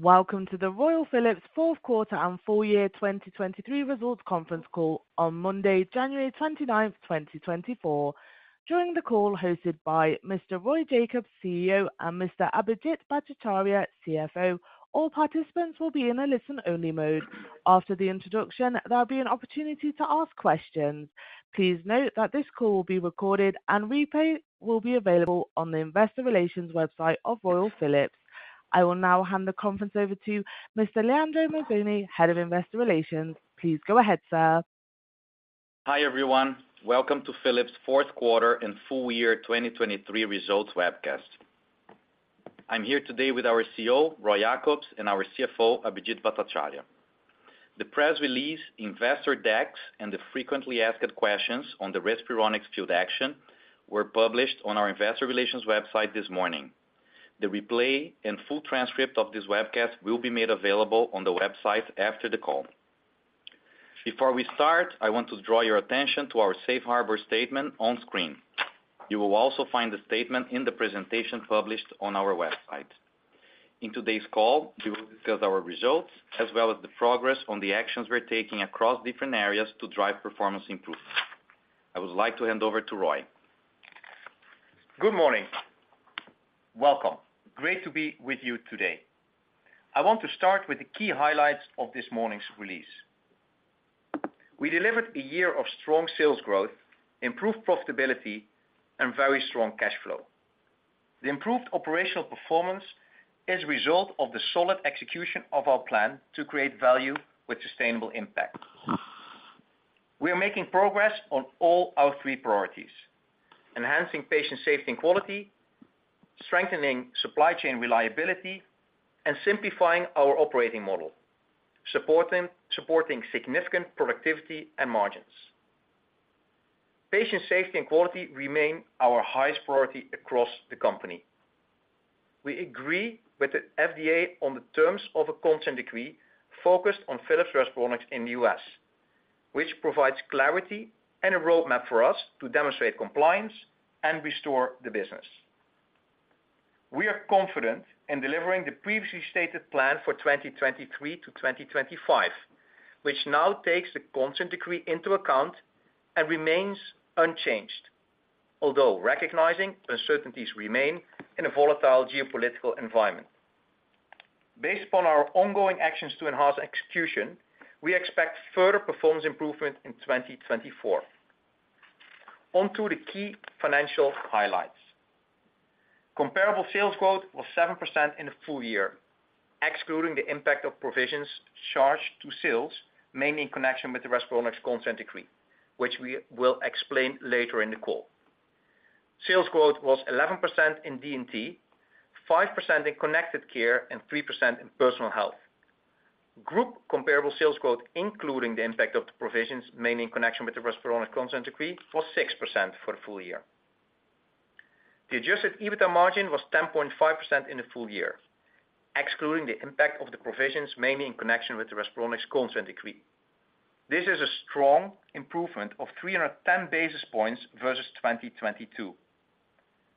Welcome to the Royal Philips Q4 and Full Year 2023 Results Conference Call on Monday, January 29, 2024. During the call, hosted by Mr. Roy Jakobs, CEO, and Mr. Abhijit Bhattacharya, CFO, all participants will be in a listen-only mode. After the introduction, there'll be an opportunity to ask questions. Please note that this call will be recorded and replay will be available on the investor relations website of Royal Philips. I will now hand the conference over to Mr. Leandro Mazzoni, Head of Investor Relations. Please go ahead, sir. Hi, everyone. Welcome to Philips Q4 and full year 2023 results webcast. I'm here today with our CEO, Roy Jakobs, and our CFO, Abhijit Bhattacharya. The press release, investor decks, and the frequently asked questions on the Respironics field action were published on our investor relations website this morning. The replay and full transcript of this webcast will be made available on the website after the call. Before we start, I want to draw your attention to our safe harbor statement on screen. You will also find the statement in the presentation published on our website. In today's call, we will discuss our results, as well as the progress on the actions we're taking across different areas to drive performance improvement. I would like to hand over to Roy. Good morning. Welcome. Great to be with you today. I want to start with the key highlights of this morning's release. We delivered a year of strong sales growth, improved profitability, and very strong cash flow. The improved operational performance is a result of the solid execution of our plan to create value with sustainable impact. We are making progress on all our three priorities: enhancing patient safety and quality, strengthening supply chain reliability, and simplifying our operating model, supporting significant productivity and margins. Patient safety and quality remain our highest priority across the company. We agree with the FDA on the terms of a consent decree focused on Philips Respironics in the U.S., which provides clarity and a roadmap for us to demonstrate compliance and restore the business. We are confident in delivering the previously stated plan for 2023 to 2025, which now takes the Consent Decree into account and remains unchanged, although recognizing uncertainties remain in a volatile geopolitical environment. Based upon our ongoing actions to enhance execution, we expect further performance improvement in 2024. On to the key financial highlights. Comparable sales growth was 7% in the full year, excluding the impact of provisions charged to sales, mainly in connection with the Respironics Consent Decree, which we will explain later in the call. Sales growth was 11% in D&T, 5% in Connected Care, and 3% in Personal Health. Group comparable sales growth, including the impact of the provisions, mainly in connection with the Respironics Consent Decree, was 6% for the full year. The adjusted EBITDA margin was 10.5% in the full year, excluding the impact of the provisions, mainly in connection with the Respironics consent decree. This is a strong improvement of 310 basis points versus 2022.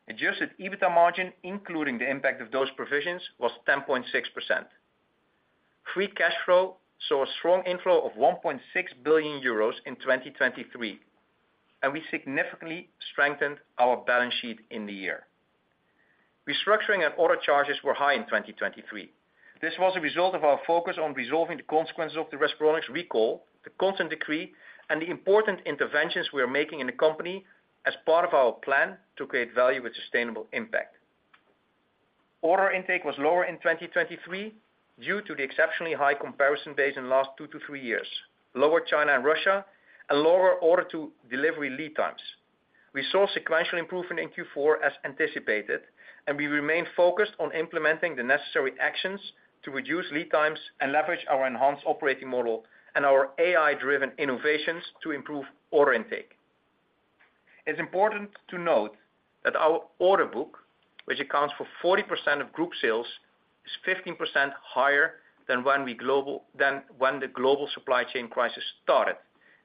Adjusted EBITDA margin, including the impact of those provisions, was 10.6%. Free cash flow saw a strong inflow of 1.6 billion euros in 2023, and we significantly strengthened our balance sheet in the year. Restructuring and order charges were high in 2023. This was a result of our focus on resolving the consequences of the Respironics recall, the consent decree, and the important interventions we are making in the company as part of our plan to create value with sustainable impact. Order intake was lower in 2023 due to the exceptionally high comparison base in last 2-3 years, lower China and Russia, and lower order to delivery lead times. We saw sequential improvement in Q4 as anticipated, and we remain focused on implementing the necessary actions to reduce lead times and leverage our enhanced operating model and our AI-driven innovations to improve order intake. It's important to note that our order book, which accounts for 40% of group sales, is 15% higher than when the global supply chain crisis started,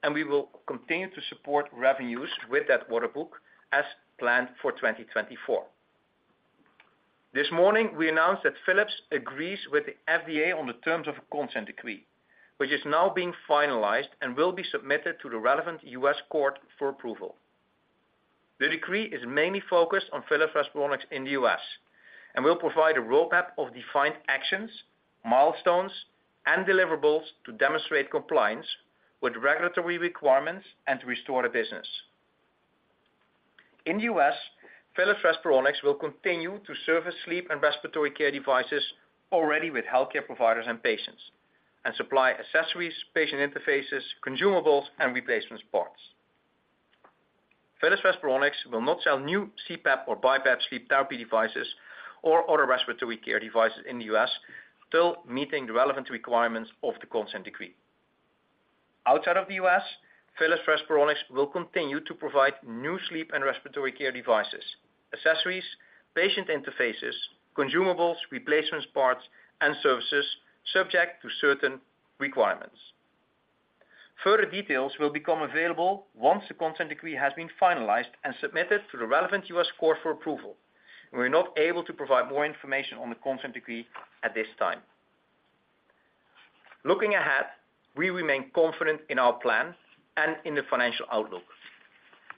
and we will continue to support revenues with that order book as planned for 2024. This morning, we announced that Philips agrees with the FDA on the terms of a consent decree, which is now being finalized and will be submitted to the relevant U.S. court for approval. The decree is mainly focused on Philips Respironics in the U.S. and will provide a roadmap of defined actions, milestones, and deliverables to demonstrate compliance with regulatory requirements and to restore the business. In the U.S., Philips Respironics will continue to service sleep and respiratory care devices already with healthcare providers and patients and supply accessories, patient interfaces, consumables, and replacement parts. Philips Respironics will not sell new CPAP or BiPAP sleep therapy devices or other respiratory care devices in the U.S. till meeting the relevant requirements of the consent decree. Outside of the U.S., Philips Respironics will continue to provide new sleep and respiratory care devices, accessories, patient interfaces, consumables, replacement parts and services, subject to certain requirements.... Further details will become available once the consent decree has been finalized and submitted to the relevant U.S. court for approval. We are not able to provide more information on the Consent Decree at this time. Looking ahead, we remain confident in our plan and in the financial outlook.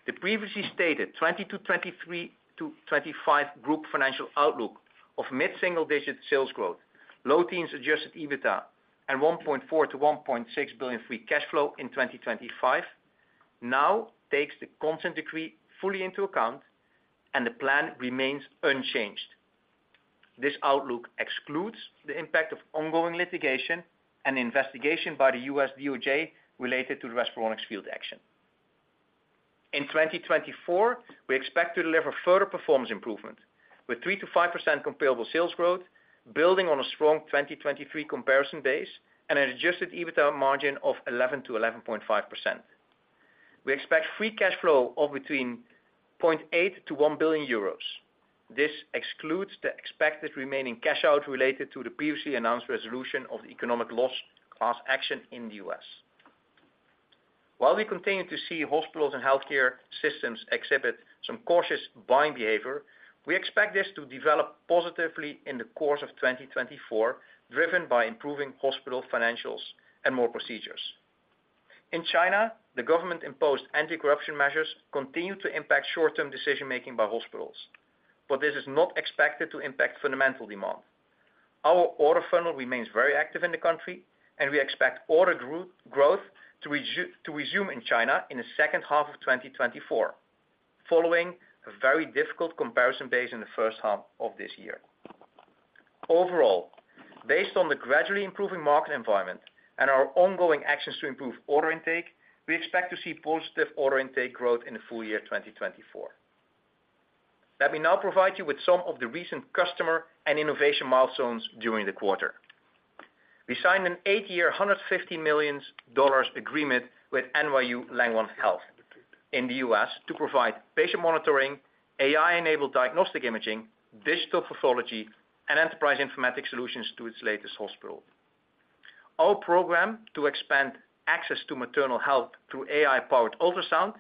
The previously stated 2022, 2023-2025 group financial outlook of mid-single-digit Comparable Sales Growth, low teens Adjusted EBITDA, and 1.4 billion-1.6 billion Free Cash Flow in 2025, now takes the Consent Decree fully into account, and the plan remains unchanged. This outlook excludes the impact of ongoing litigation and investigation by the U.S. DOJ related to the Respironics field action. In 2024, we expect to deliver further performance improvement, with 3%-5% Comparable Sales Growth, building on a strong 2023 comparison base and an Adjusted EBITDA margin of 11%-11.5%. We expect Free Cash Flow of between 0.8 billion-1 billion euros. This excludes the expected remaining cash out related to the previously announced resolution of the economic loss class action in the U.S. While we continue to see hospitals and healthcare systems exhibit some cautious buying behavior, we expect this to develop positively in the course of 2024, driven by improving hospital financials and more procedures. In China, the government-imposed anti-corruption measures continue to impact short-term decision-making by hospitals, but this is not expected to impact fundamental demand. Our order funnel remains very active in the country, and we expect order group growth to resume in China in the second half of 2024, following a very difficult comparison base in the first half of this year. Overall, based on the gradually improving market environment and our ongoing actions to improve order intake, we expect to see positive order intake growth in the full year 2024. Let me now provide you with some of the recent customer and innovation milestones during the quarter. We signed an 8-year, $150 million agreement with NYU Langone Health in the U.S. to provide patient monitoring, AI-enabled diagnostic imaging, digital pathology, and enterprise informatics solutions to its latest hospital. Our program to expand access to maternal health through AI-powered ultrasound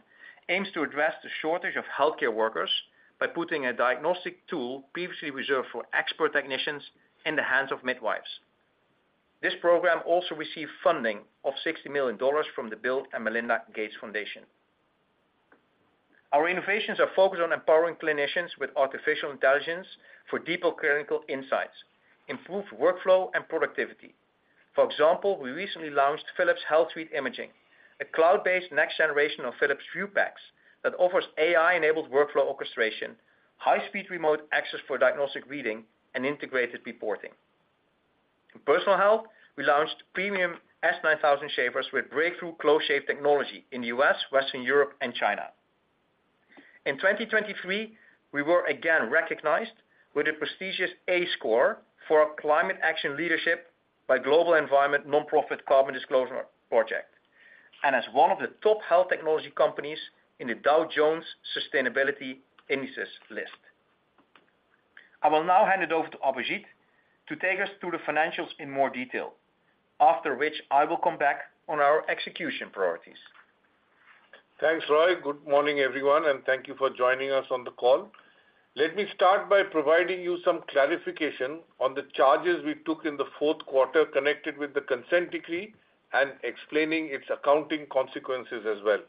aims to address the shortage of healthcare workers by putting a diagnostic tool previously reserved for expert technicians in the hands of midwives. This program also received funding of $60 million from the Bill & Melinda Gates Foundation. Our innovations are focused on empowering clinicians with artificial intelligence for deeper clinical insights, improved workflow, and productivity. For example, we recently launched Philips HealthSuite Imaging, a cloud-based next generation of Philips Vue PACS, that offers AI-enabled workflow orchestration, high-speed remote access for diagnostic reading, and integrated reporting. In Personal Health, we launched premium S9000 shavers with breakthrough close shave technology in the U.S., Western Europe, and China. In 2023, we were again recognized with the prestigious A score for our climate action leadership by the global environmental nonprofit Carbon Disclosure Project, and as one of the top health technology companies in the Dow Jones Sustainability Indices. I will now hand it over to Abhijit to take us through the financials in more detail, after which I will come back on our execution priorities. Thanks, Roy. Good morning, everyone, and thank you for joining us on the call. Let me start by providing you some clarification on the charges we took in the Q4 connected with the Consent Decree and explaining its accounting consequences as well.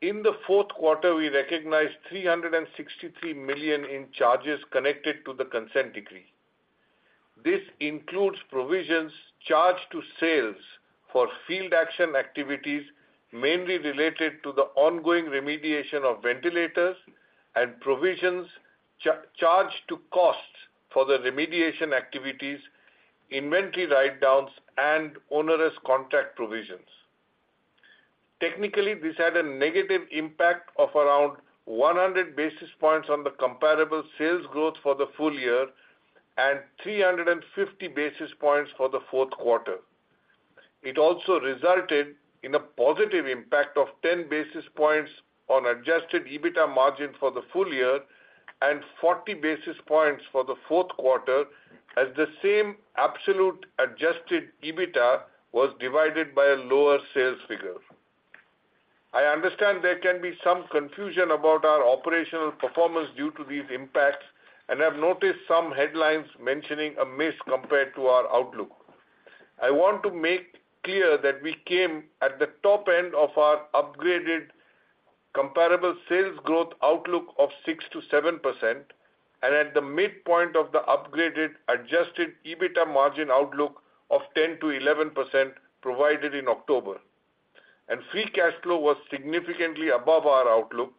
In the Q4, we recognized 363 million in charges connected to the Consent Decree. This includes provisions charged to sales for field action activities, mainly related to the ongoing remediation of ventilators and provisions charged to costs for the remediation activities, inventory write-downs, and onerous contract provisions. Technically, this had a negative impact of around 100 basis points on the Comparable Sales Growth for the full year and 350 basis points for the Q4. It also resulted in a positive impact of 10 basis points on adjusted EBITDA margin for the full year and 40 basis points for the Q4, as the same absolute adjusted EBITDA was divided by a lower sales figure. I understand there can be some confusion about our operational performance due to these impacts, and I've noticed some headlines mentioning a miss compared to our outlook. I want to make clear that we came at the top end of our upgraded comparable sales growth outlook of 6%-7%, and at the midpoint of the upgraded adjusted EBITDA margin outlook of 10%-11%, provided in October. Free cash flow was significantly above our outlook.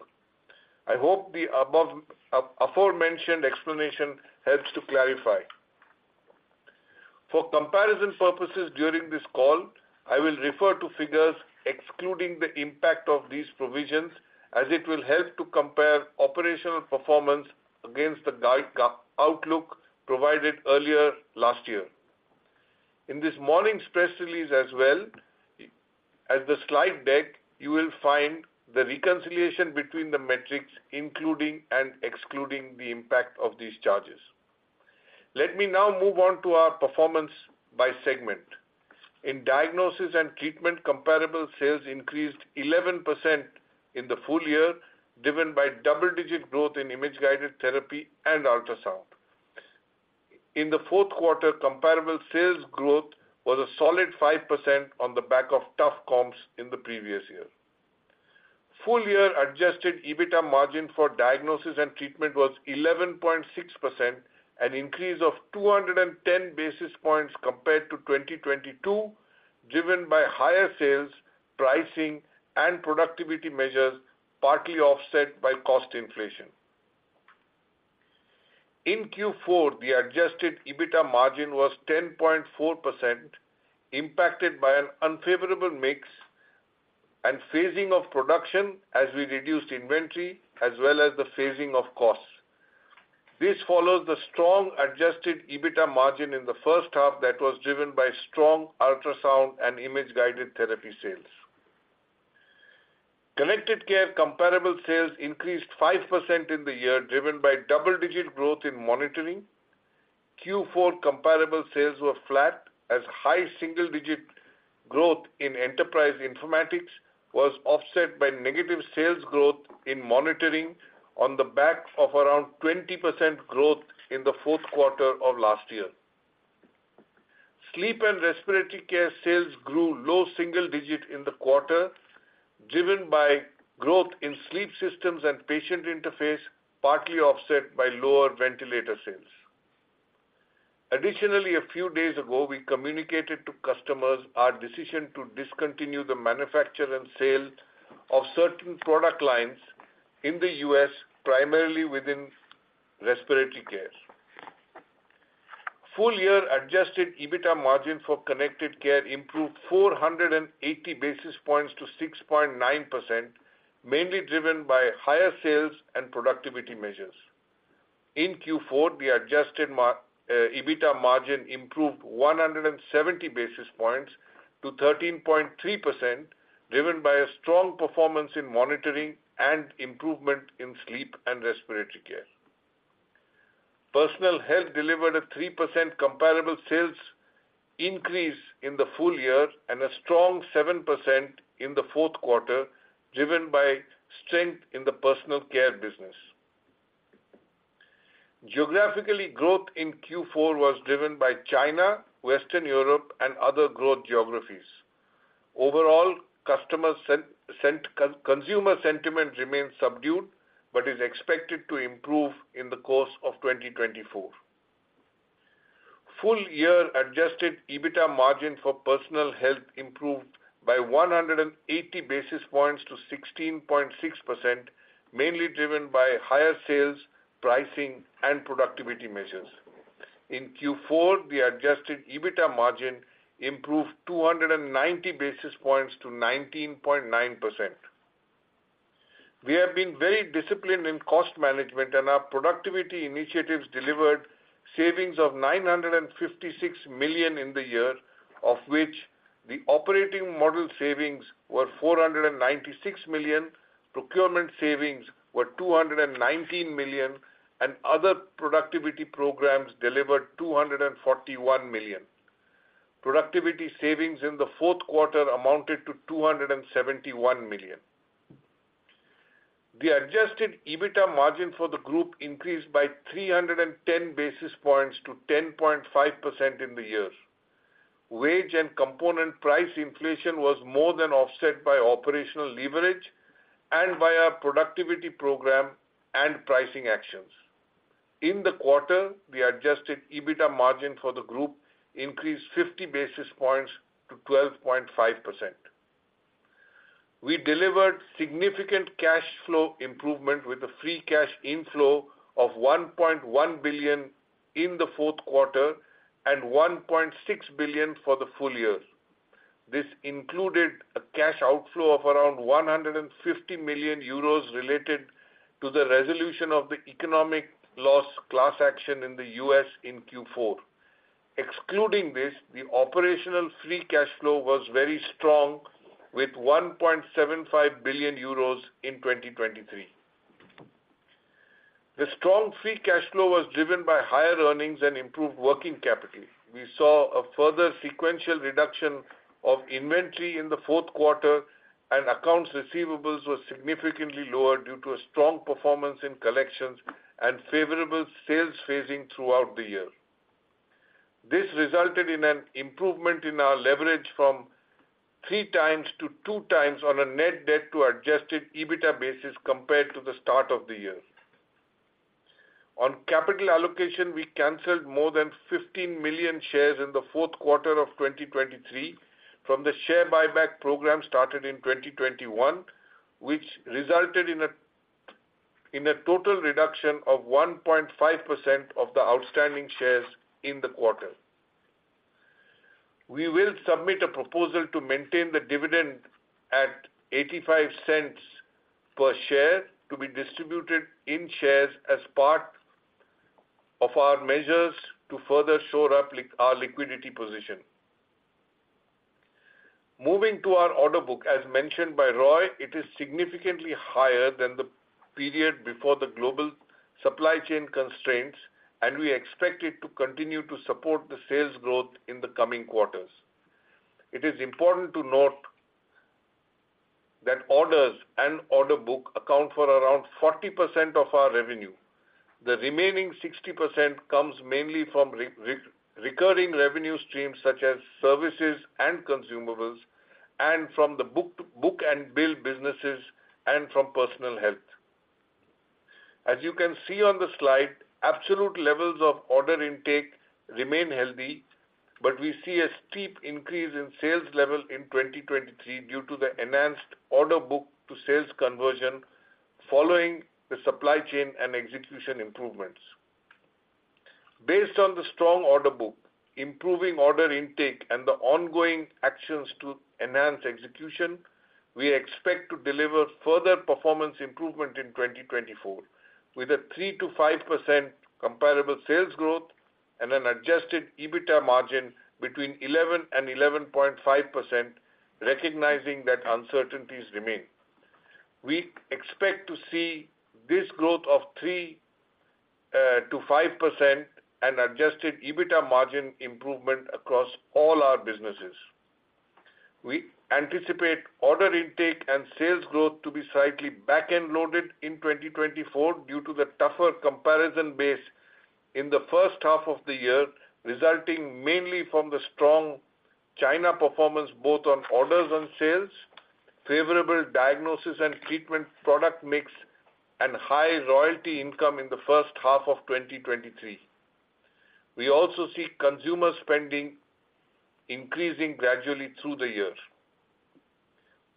I hope the aforementioned explanation helps to clarify. For comparison purposes during this call, I will refer to figures excluding the impact of these provisions, as it will help to compare operational performance against the guidance outlook provided earlier last year. In this morning's press release, as well as the slide deck, you will find the reconciliation between the metrics, including and excluding the impact of these charges. Let me now move on to our performance by segment. In Diagnosis and Treatment, comparable sales increased 11% in the full year, driven by double-digit growth in Image-Guided Therapy and ultrasound. In the Q4, comparable sales growth was a solid 5% on the back of tough comps in the previous year. Full year adjusted EBITDA margin for diagnosis and treatment was 11.6%, an increase of 210 basis points compared to 2022, driven by higher sales, pricing, and productivity measures, partly offset by cost inflation. In Q4, the adjusted EBITDA margin was 10.4%, impacted by an unfavorable mix and phasing of production as we reduced inventory, as well as the phasing of costs. This follows the strong adjusted EBITDA margin in the first half that was driven by strong ultrasound and Image-Guided Therapy sales. Connected Care comparable sales increased 5% in the year, driven by double-digit growth in monitoring. Q4 comparable sales were flat, as high single-digit growth in Enterprise Informatics was offset by negative sales growth in monitoring on the back of around 20% growth in the Q4 of last year. Sleep and Respiratory Care sales grew low-single-digit in the quarter, driven by growth in sleep systems and patient interface, partly offset by lower ventilator sales. Additionally, a few days ago, we communicated to customers our decision to discontinue the manufacture and sale of certain product lines in the U.S., primarily within respiratory care. Full-year adjusted EBITDA margin for Connected Care improved 480 basis points to 6.9%, mainly driven by higher sales and productivity measures. In Q4, the adjusted EBITDA margin improved 170 basis points to 13.3%, driven by a strong performance in monitoring and improvement in Sleep and Respiratory Care. Personal Health delivered a 3% comparable sales increase in the full year and a strong 7% in the Q4, driven by strength in the personal care business. Geographically, growth in Q4 was driven by China, Western Europe, and other growth geographies. Overall, customer sentiment remains subdued, but is expected to improve in the course of 2024. Full year Adjusted EBITDA margin for Personal Health improved by 180 basis points to 16.6%, mainly driven by higher sales, pricing, and productivity measures. In Q4, the Adjusted EBITDA margin improved 290 basis points to 19.9%. We have been very disciplined in cost management, and our productivity initiatives delivered savings of 956 million in the year, of which the operating model savings were 496 million, procurement savings were 219 million, and other productivity programs delivered 241 million. Productivity savings in the Q4 amounted to 271 million. The Adjusted EBITDA margin for the group increased by 310 basis points to 10.5% in the year. Wage and component price inflation was more than offset by operational leverage and by our productivity program and pricing actions. In the quarter, the Adjusted EBITDA margin for the group increased 50 basis points to 12.5%. We delivered significant cash flow improvement with a free cash inflow of 1.1 billion in the Q4 and 1.6 billion for the full year. This included a cash outflow of around 150 million euros related to the resolution of the economic loss class action in the U.S. in Q4. Excluding this, the operational free cash flow was very strong, with 1.75 billion euros in 2023. The strong free cash flow was driven by higher earnings and improved working capital. We saw a further sequential reduction of inventory in the Q4, and accounts receivables were significantly lower due to a strong performance in collections and favorable sales phasing throughout the year. This resulted in an improvement in our leverage from 3x to 2x on a net debt to Adjusted EBITDA basis compared to the start of the year. On capital allocation, we canceled more than 15 million shares in the Q4 of 2023 from the share buyback program started in 2021, which resulted in a total reduction of 1.5% of the outstanding shares in the quarter. We will submit a proposal to maintain the dividend at 0.85 per share, to be distributed in shares as part of our measures to further shore up our liquidity position. Moving to our order book, as mentioned by Roy, it is significantly higher than the period before the global supply chain constraints, and we expect it to continue to support the sales growth in the coming quarters. It is important to note that orders and order book account for around 40% of our revenue. The remaining 60% comes mainly from recurring revenue streams, such as services and consumables, and from the book-and-build businesses and from Personal Health. As you can see on the slide, absolute levels of order intake remain healthy, but we see a steep increase in sales level in 2023 due to the enhanced order book to sales conversion following the supply chain and execution improvements. Based on the strong order book, improving order intake, and the ongoing actions to enhance execution, we expect to deliver further performance improvement in 2024, with a 3%-5% comparable sales growth and an adjusted EBITDA margin between 11% and 11.5%, recognizing that uncertainties remain. We expect to see this growth of 3%-5% and adjusted EBITDA margin improvement across all our businesses. We anticipate order intake and sales growth to be slightly back-end loaded in 2024 due to the tougher comparison base in the first half of the year, resulting mainly from the strong China performance, both on orders and sales, favorable diagnosis and treatment product mix, and high royalty income in the first half of 2023. We also see consumer spending increasing gradually through the year.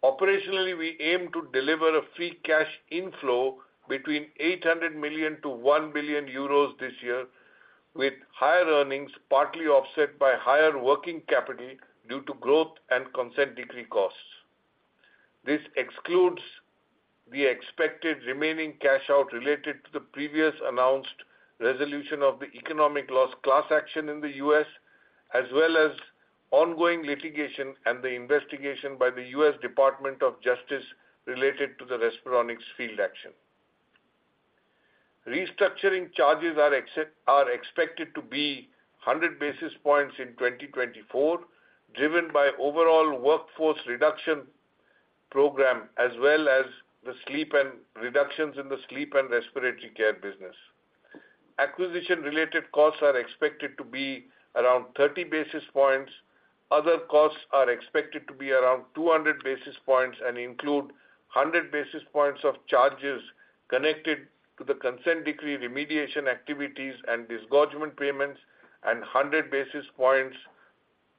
Operationally, we aim to deliver a free cash inflow between 800 million and 1 billion euros this year, with higher earnings, partly offset by higher working capital due to growth and Consent Decree costs. This excludes the expected remaining cash out related to the previously announced resolution of the economic loss class action in the U.S., as well as ongoing litigation and the investigation by the U.S. Department of Justice related to the Respironics field action. Restructuring charges are expected to be 100 basis points in 2024, driven by overall workforce reduction program, as well as the sleep and reductions in the sleep and respiratory care business. Acquisition-related costs are expected to be around 30 basis points. Other costs are expected to be around 200 basis points and include 100 basis points of charges connected to the consent decree, remediation activities, and disgorgement payments, and 100 basis points,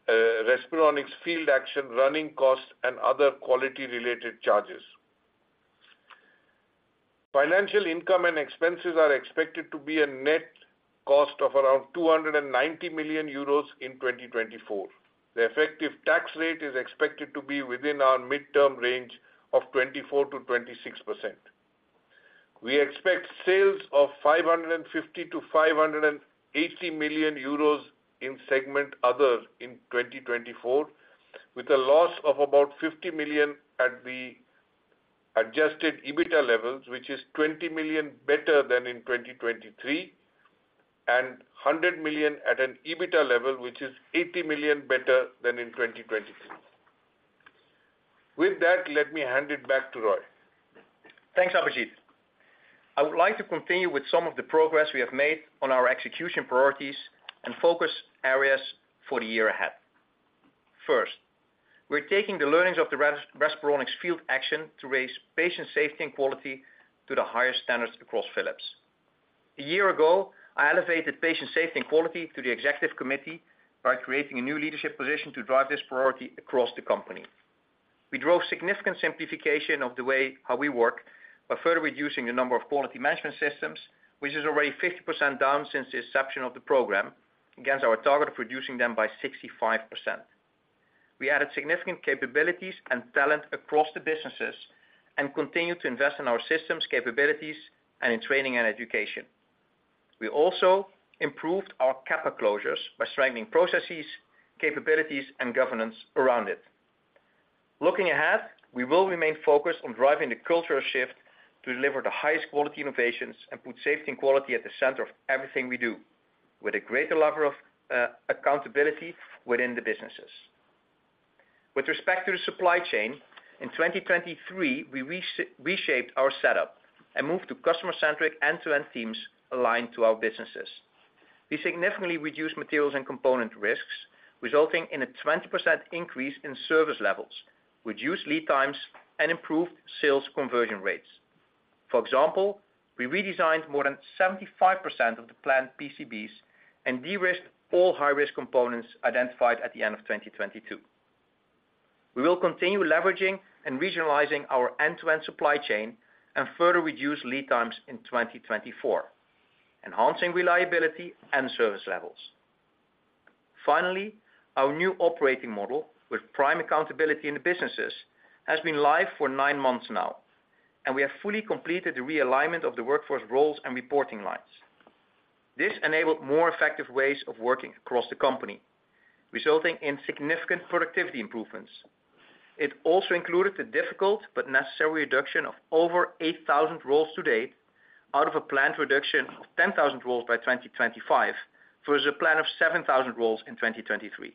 Respironics field action, running costs, and other quality-related charges. Financial income and expenses are expected to be a net cost of around 290 million euros in 2024. The effective tax rate is expected to be within our midterm range of 24%-26%. We expect sales of 550 million-580 million euros in segment other in 2024, with a loss of about 50 million at the adjusted EBITDA levels, which is 20 million better than in 2023, and 100 million at an EBITDA level, which is 80 million better than in 2023. With that, let me hand it back to Roy. Thanks, Abhijit. I would like to continue with some of the progress we have made on our execution priorities and focus areas for the year ahead. First, we're taking the learnings of the Respironics field action to raise patient safety and quality to the highest standards across Philips. A year ago, I elevated patient safety and quality to the Executive Committee by creating a new leadership position to drive this priority across the company. We drove significant simplification of the way how we work by further reducing the number of quality management systems, which is already 50% down since the inception of the program, against our target of reducing them by 65%. We added significant capabilities and talent across the businesses and continued to invest in our systems, capabilities, and in training and education. We also improved our CAPA closures by strengthening processes, capabilities, and governance around it. Looking ahead, we will remain focused on driving the cultural shift to deliver the highest quality innovations and put safety and quality at the center of everything we do, with a greater level of accountability within the businesses. With respect to the supply chain, in 2023, we reshaped our setup and moved to customer-centric, end-to-end teams aligned to our businesses. We significantly reduced materials and component risks, resulting in a 20% increase in service levels, reduced lead times, and improved sales conversion rates. For example, we redesigned more than 75% of the planned PCBs and de-risked all high-risk components identified at the end of 2022. We will continue leveraging and regionalizing our end-to-end supply chain and further reduce lead times in 2024, enhancing reliability and service levels. Finally, our new operating model, with prime accountability in the businesses, has been live for 9 months now, and we have fully completed the realignment of the workforce roles and reporting lines. This enabled more effective ways of working across the company, resulting in significant productivity improvements. It also included the difficult but necessary reduction of over 8,000 roles to date, out of a planned reduction of 10,000 roles by 2025, versus a plan of 7,000 roles in 2023.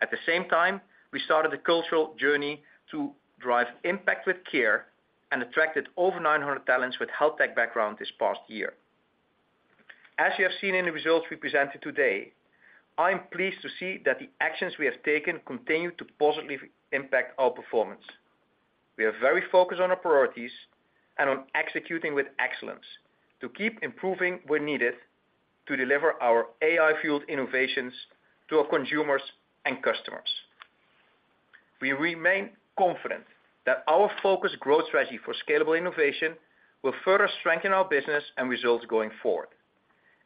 At the same time, we started a cultural journey to drive impact with care and attracted over 900 talents with health tech background this past year. As you have seen in the results we presented today, I am pleased to see that the actions we have taken continue to positively impact our performance. We are very focused on our priorities and on executing with excellence to keep improving where needed, to deliver our AI-fueled innovations to our consumers and customers. We remain confident that our focused growth strategy for scalable innovation will further strengthen our business and results going forward.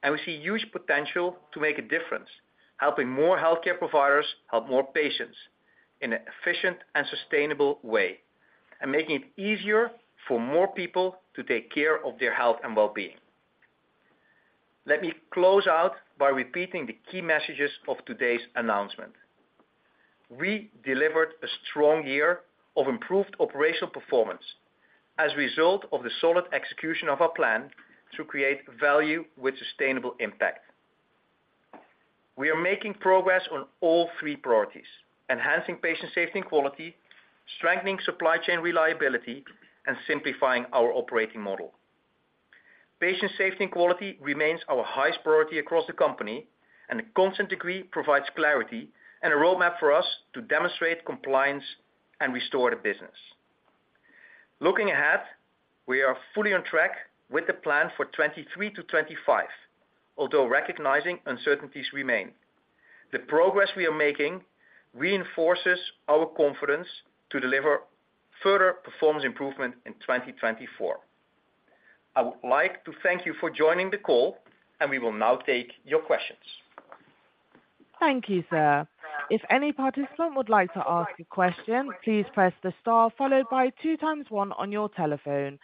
We see huge potential to make a difference, helping more healthcare providers help more patients in an efficient and sustainable way, and making it easier for more people to take care of their health and well-being. Let me close out by repeating the key messages of today's announcement. We delivered a strong year of improved operational performance as a result of the solid execution of our plan to create value with sustainable impact. We are making progress on all three priorities: enhancing patient safety and quality, strengthening supply chain reliability, and simplifying our operating model. Patient safety and quality remains our highest priority across the company, and the consent decree provides clarity and a roadmap for us to demonstrate compliance and restore the business. Looking ahead, we are fully on track with the plan for 2023-2025, although recognizing uncertainties remain. The progress we are making reinforces our confidence to deliver further performance improvement in 2024. I would like to thank you for joining the call, and we will now take your questions. Thank you, sir. If any participant would like to ask a question, please press the star followed by two times one on your telephone.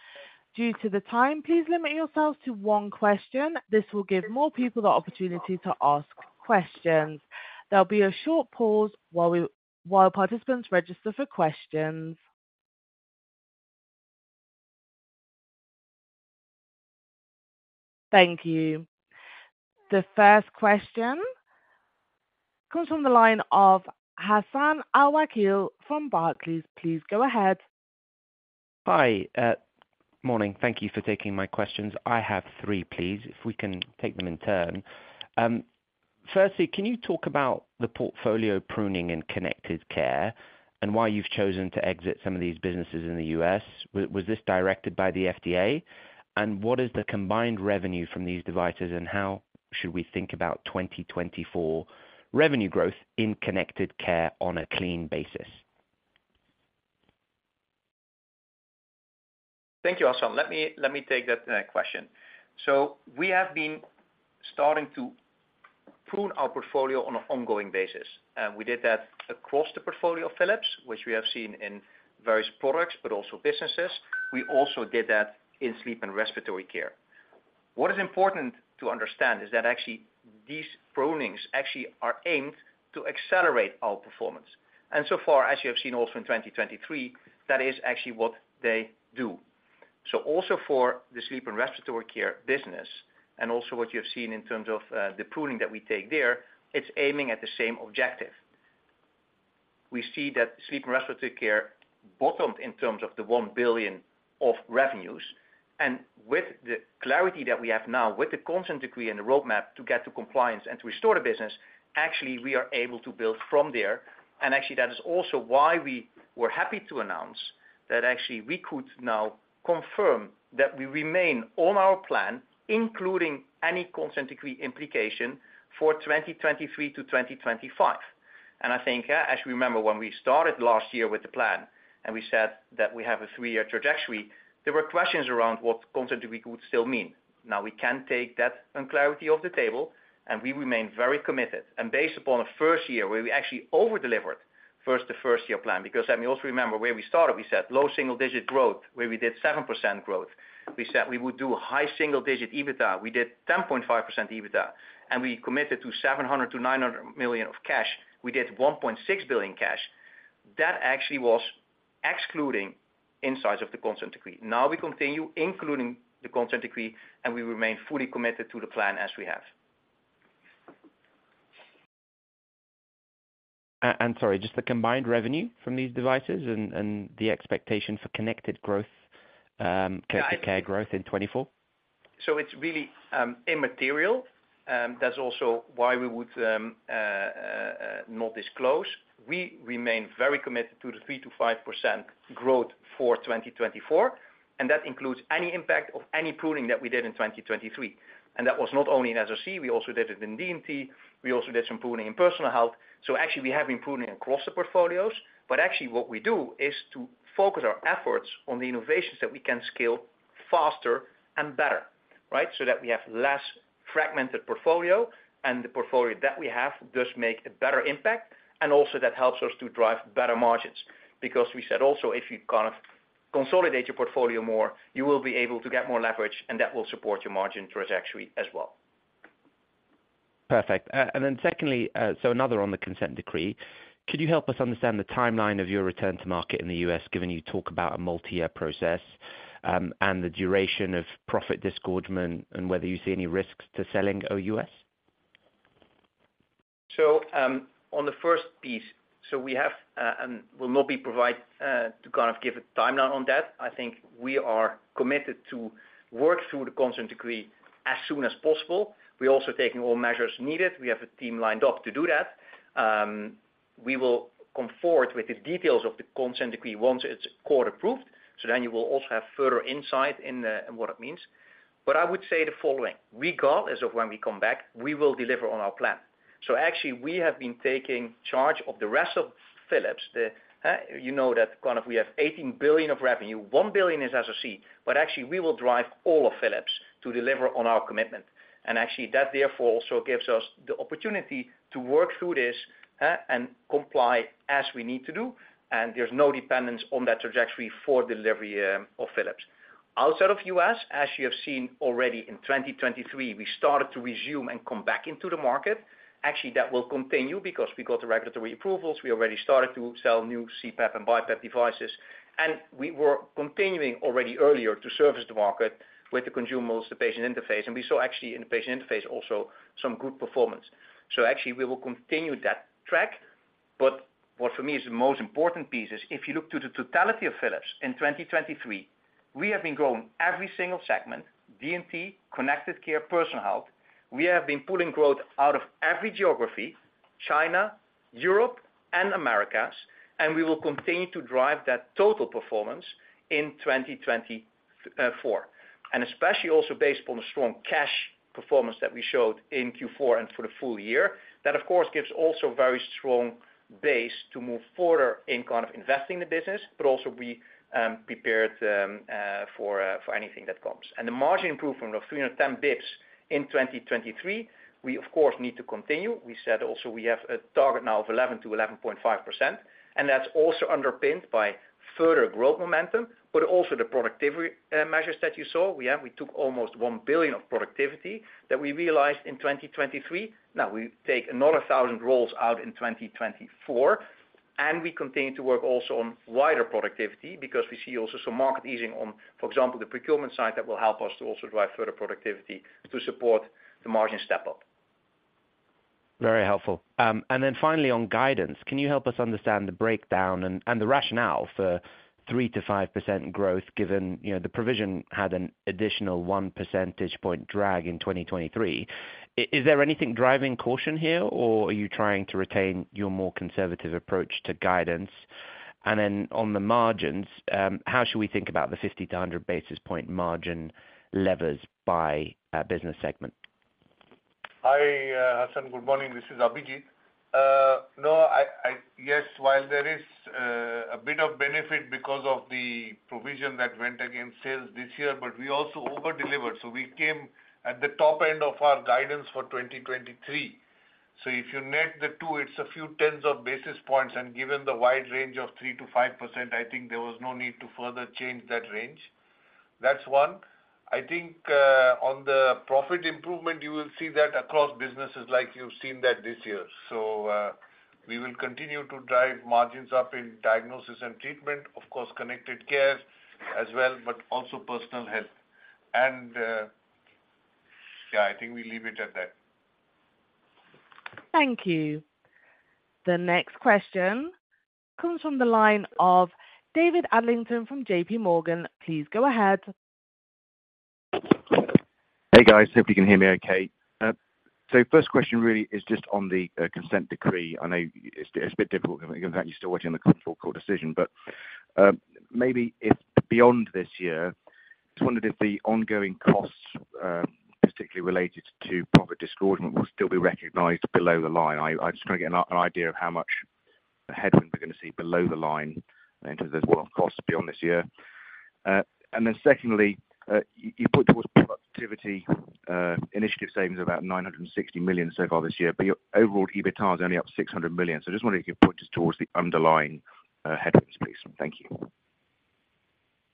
Due to the time, please limit yourselves to one question. This will give more people the opportunity to ask questions. There'll be a short pause while participants register for questions. Thank you. The first question comes from the line of Hassan Al-Wakeel from Barclays. Please go ahead. Hi, morning. Thank you for taking my questions. I have three, please, if we can take them in turn. Firstly, can you talk about the portfolio pruning in Connected Care and why you've chosen to exit some of these businesses in the U.S.? Was this directed by the FDA? And what is the combined revenue from these devices, and how should we think about 2024 revenue growth in Connected Care on a clean basis? Thank you, Hassan. Let me, let me take that question. So we have been starting to prune our portfolio on an ongoing basis, and we did that across the portfolio of Philips, which we have seen in various products, but also businesses. We also did that in sleep and respiratory care. What is important to understand is that actually these prunings actually are aimed to accelerate our performance. And so far, as you have seen also in 2023, that is actually what they do. So also for the sleep and respiratory care business, and also what you have seen in terms of the pruning that we take there, it's aiming at the same objective. We see that sleep and respiratory care bottomed in terms of the 1 billion of revenues, and with the clarity that we have now, with the consent decree and the roadmap to get to compliance and to restore the business, actually, we are able to build from there. Actually, that is also why we were happy to announce that actually we could now confirm that we remain on our plan, including any consent decree implication for 2023 to 2025. I think, as you remember, when we started last year with the plan, and we said that we have a three-year trajectory, there were questions around what consent decree would still mean. Now, we can take that uncertainty off the table, and we remain very committed. Based upon a first year, where we actually over-delivered first, the first year plan, because let me also remember where we started. We said low single digit growth, where we did 7% growth. We said we would do high single-digit EBITDA. We did 10.5% EBITDA, and we committed to 700 million-900 million of cash. We did 1.6 billion cash. That actually was in spite of the consent decree. Now, we continue including the consent decree, and we remain fully committed to the plan as we have. Sorry, just the combined revenue from these devices and the expectation for Connected Care growth in 2024? So it's really immaterial, that's also why we would not disclose. We remain very committed to the 3%-5% growth for 2024, and that includes any impact of any pruning that we did in 2023. And that was not only in SRC, we also did it in D&T. We also did some pruning in Personal Health. So actually, we have been pruning across the portfolios, but actually what we do is to focus our efforts on the innovations that we can scale faster and better, right? So that we have less fragmented portfolio, and the portfolio that we have does make a better impact, and also that helps us to drive better margins. Because we said also, if you kind of-... Consolidate your portfolio more, you will be able to get more leverage, and that will support your margin trajectory as well. Perfect. And then secondly, so another on the Consent Decree, could you help us understand the timeline of your return to market in the U.S., given you talk about a multi-year process, and the duration of profit disgorgement, and whether you see any risks to selling OUS? So, on the first piece, so we have and will not be providing to kind of give a timeline on that. I think we are committed to work through the Consent Decree as soon as possible. We're also taking all measures needed. We have a team lined up to do that. We will come forward with the details of the Consent Decree once it's court approved, so then you will also have further insight in in what it means. But I would say the following, we got as of when we come back, we will deliver on our plan. So actually, we have been taking charge of the rest of Philips, the, you know, that kind of we have 18 billion of revenue, 1 billion is SRC, but actually we will drive all of Philips to deliver on our commitment. Actually, that therefore also gives us the opportunity to work through this, and comply as we need to do, and there's no dependence on that trajectory for delivery of Philips. Outside of U.S., as you have seen already in 2023, we started to resume and come back into the market. Actually, that will continue because we got the regulatory approvals. We already started to sell new CPAP and BiPAP devices, and we were continuing already earlier to service the market with the consumables, the patient interface, and we saw actually in the patient interface also some good performance. So actually, we will continue that track, but what for me is the most important piece is, if you look to the totality of Philips in 2023, we have been growing every single segment, D&T, Connected Care, Personal Health. We have been pulling growth out of every geography, China, Europe and Americas, and we will continue to drive that total performance in 2024. Especially also based upon the strong cash performance that we showed in Q4 and for the full year, that of course gives also very strong base to move further in kind of investing the business, but also be prepared for anything that comes. The margin improvement of 310 basis points in 2023, we of course need to continue. We said also we have a target now of 11%-11.5%, and that's also underpinned by further growth momentum, but also the productivity measures that you saw. We took almost 1 billion of productivity that we realized in 2023. Now, we take another 1,000 roles out in 2024, and we continue to work also on wider productivity because we see also some market easing on, for example, the procurement side, that will help us to also drive further productivity to support the margin step up. Very helpful. And then finally, on guidance, can you help us understand the breakdown and the rationale for 3%-5% growth, given, you know, the provision had an additional one percentage point drag in 2023? Is there anything driving caution here, or are you trying to retain your more conservative approach to guidance? And then on the margins, how should we think about the 50-100 basis point margin levers by business segment? Hi, Hassan, good morning. This is Abhijit. No, I... Yes, while there is a bit of benefit because of the provision that went against sales this year, but we also over-delivered. So we came at the top end of our guidance for 2023. So if you net the two, it's a few tens of basis points, and given the wide range of 3%-5%, I think there was no need to further change that range. That's one. I think on the profit improvement, you will see that across businesses like you've seen that this year. So we will continue to drive margins up in Diagnosis and Treatment, of course, Connected Care as well, but also Personal Health. And yeah, I think we leave it at that. Thank you. The next question comes from the line of David Adlington from J.P. Morgan. Please go ahead. Hey, guys, hopefully you can hear me okay. So first question really is just on the consent decree. I know it's a bit difficult because you're still waiting on the district court decision, but maybe looking beyond this year, just wondered if the ongoing costs, particularly related to profit disgorgement, will still be recognized below the line? I just want to get an idea of how much the headwinds we're going to see below the line in terms of what costs beyond this year. And then secondly, you put towards productivity initiative savings of about 960 million so far this year, but your overall EBITDA is only up 600 million. So I just wondered if you could point us towards the underlying headwinds, please. Thank you.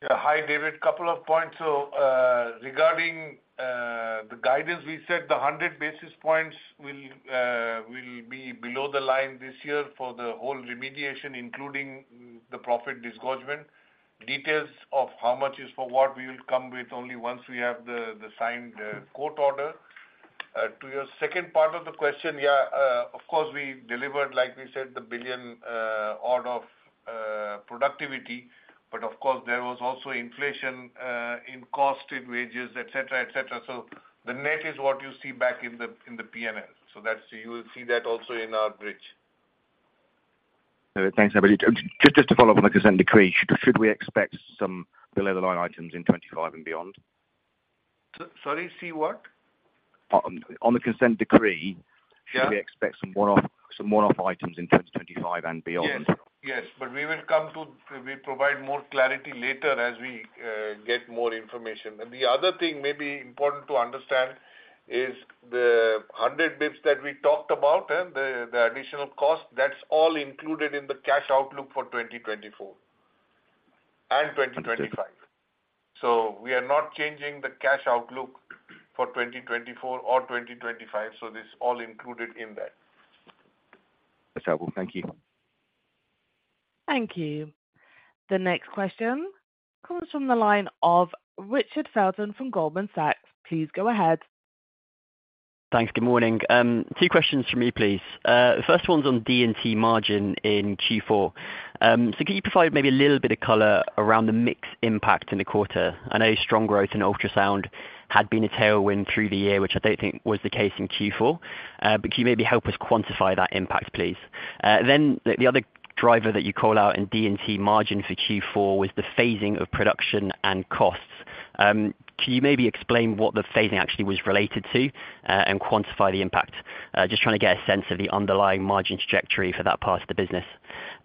Yeah. Hi, David, a couple of points. So, regarding the guidance, we said the 100 basis points will be below the line this year for the whole remediation, including the profit disgorgement. Details of how much is for what, we will come with only once we have the signed court order. To your second part of the question, yeah, of course, we delivered, like we said, the 1 billion odd of productivity, but of course, there was also inflation in cost, in wages, et cetera, et cetera. So the net is what you see back in the P&L. So that's. You will see that also in our bridge. Thanks, Abhijit. Just to follow up on the consent decree, should we expect some below-the-line items in 2025 and beyond? Sorry, see what? On the Consent Decree- Yeah. Should we expect some one-off, some one-off items in 2025 and beyond? Yes, yes, but we will come to... We provide more clarity later as we get more information. The other thing may be important to understand... is the 100 bits that we talked about, and the additional cost, that's all included in the cash outlook for 2024 and 2025. So we are not changing the cash outlook for 2024 or 2025, so this is all included in that. That's helpful. Thank you. Thank you. The next question comes from the line of Richard Felton from Goldman Sachs. Please go ahead. Thanks. Good morning. Two questions from me, please. The first one's on D&T margin in Q4. So can you provide maybe a little bit of color around the mix impact in the quarter? I know strong growth in ultrasound had been a tailwind through the year, which I don't think was the case in Q4. But can you maybe help us quantify that impact, please? Then the other driver that you call out in D&T margin for Q4 was the phasing of production and costs. Can you maybe explain what the phasing actually was related to, and quantify the impact? Just trying to get a sense of the underlying margin trajectory for that part of the business.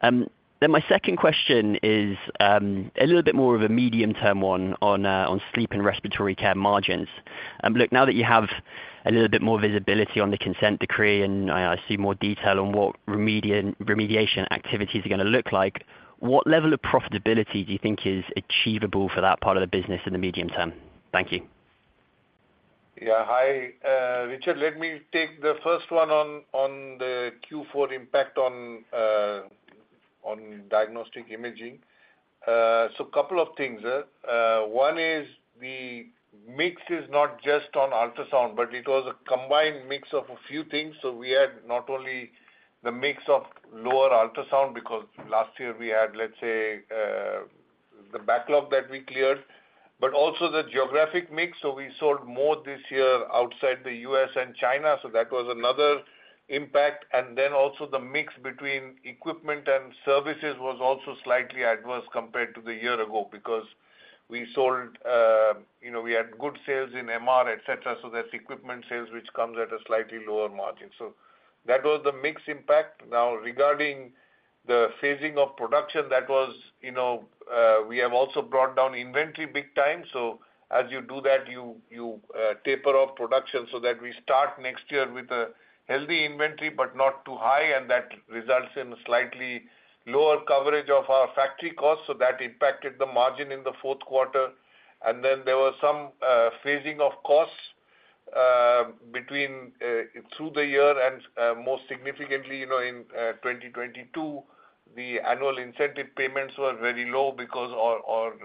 Then my second question is a little bit more of a medium-term one on sleep and respiratory care margins. Look, now that you have a little bit more visibility on the Consent Decree, and I see more detail on what remediation activities are gonna look like, what level of profitability do you think is achievable for that part of the business in the medium term? Thank you. Yeah. Hi, Richard, let me take the first one on the Q4 impact on diagnostic imaging. So a couple of things. One is the mix is not just on ultrasound, but it was a combined mix of a few things. So we had not only the mix of lower ultrasound, because last year we had, let's say, the backlog that we cleared, but also the geographic mix. So we sold more this year outside the U.S. and China, so that was another impact. And then also the mix between equipment and services was also slightly adverse compared to the year ago. Because we sold, you know, we had good sales in MR, et cetera, so that's equipment sales, which comes at a slightly lower margin. So that was the mix impact. Now, regarding the phasing of production, that was, you know, we have also brought down inventory big time. So as you do that, you, you, taper off production so that we start next year with a healthy inventory, but not too high, and that results in slightly lower coverage of our factory costs, so that impacted the margin in the Q4. And then there was some phasing of costs between through the year and most significantly, you know, in 2022. The annual incentive payments were very low because... or, or,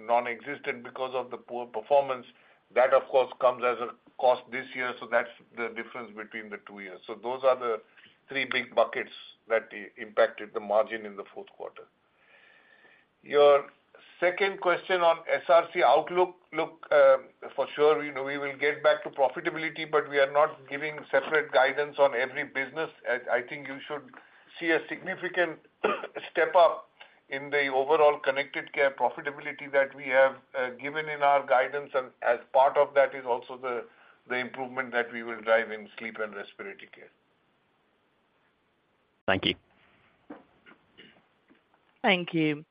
non-existent because of the poor performance. That, of course, comes as a cost this year, so that's the difference between the two years. So those are the three big buckets that impacted the margin in the Q4. Your second question on SRC outlook. Look, for sure, you know, we will get back to profitability, but we are not giving separate guidance on every business. I think you should see a significant step up in the overall Connected Care profitability that we have given in our guidance, and as part of that is also the improvement that we will drive in Sleep and Respiratory Care. Thank you. Thank you.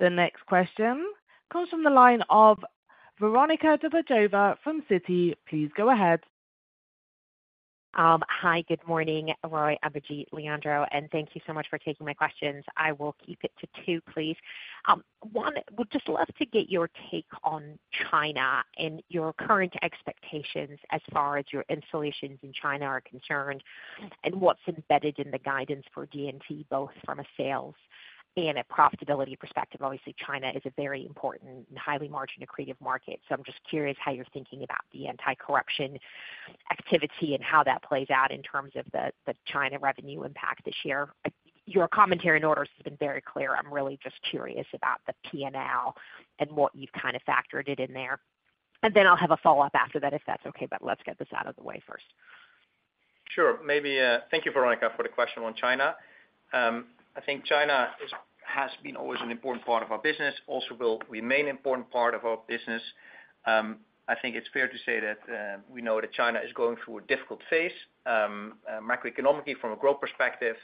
The next question comes from the line of Veronika Dubajova from Citi. Please go ahead. Hi, good morning, Roy, Abhijit, Leandro, and thank you so much for taking my questions. I will keep it to two, please. One, would just love to get your take on China and your current expectations as far as your installations in China are concerned, and what's embedded in the guidance for D&T, both from a sales and a profitability perspective. Obviously, China is a very important and highly margin-accretive market, so I'm just curious how you're thinking about the anti-corruption activity and how that plays out in terms of the, the China revenue impact this year. Your commentary and orders have been very clear. I'm really just curious about the P&L and what you've kind of factored it in there. And then I'll have a follow-up after that, if that's okay, but let's get this out of the way first. Sure. Thank you, Veronica, for the question on China. I think China is, has been always an important part of our business, also will remain an important part of our business. I think it's fair to say that, we know that China is going through a difficult phase, macroeconomically from a growth perspective,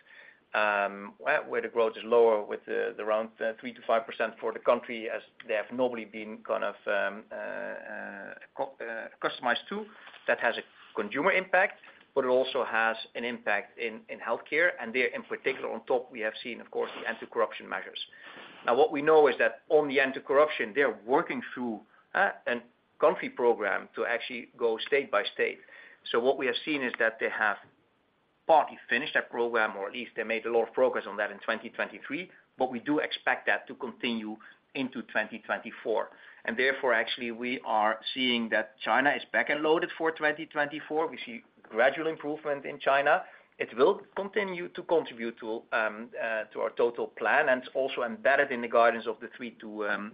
where the growth is lower, with around 3%-5% for the country, as they have normally been kind of, customized to. That has a consumer impact, but it also has an impact in, in healthcare, and there, in particular, on top, we have seen, of course, the anti-corruption measures. Now, what we know is that on the anti-corruption, they're working through a country program to actually go state by state. So what we have seen is that they have partly finished that program, or at least they made a lot of progress on that in 2023, but we do expect that to continue into 2024. And therefore, actually, we are seeing that China is back and loaded for 2024. We see gradual improvement in China. It will continue to contribute to our total plan and is also embedded in the guidance of the 3%-5%.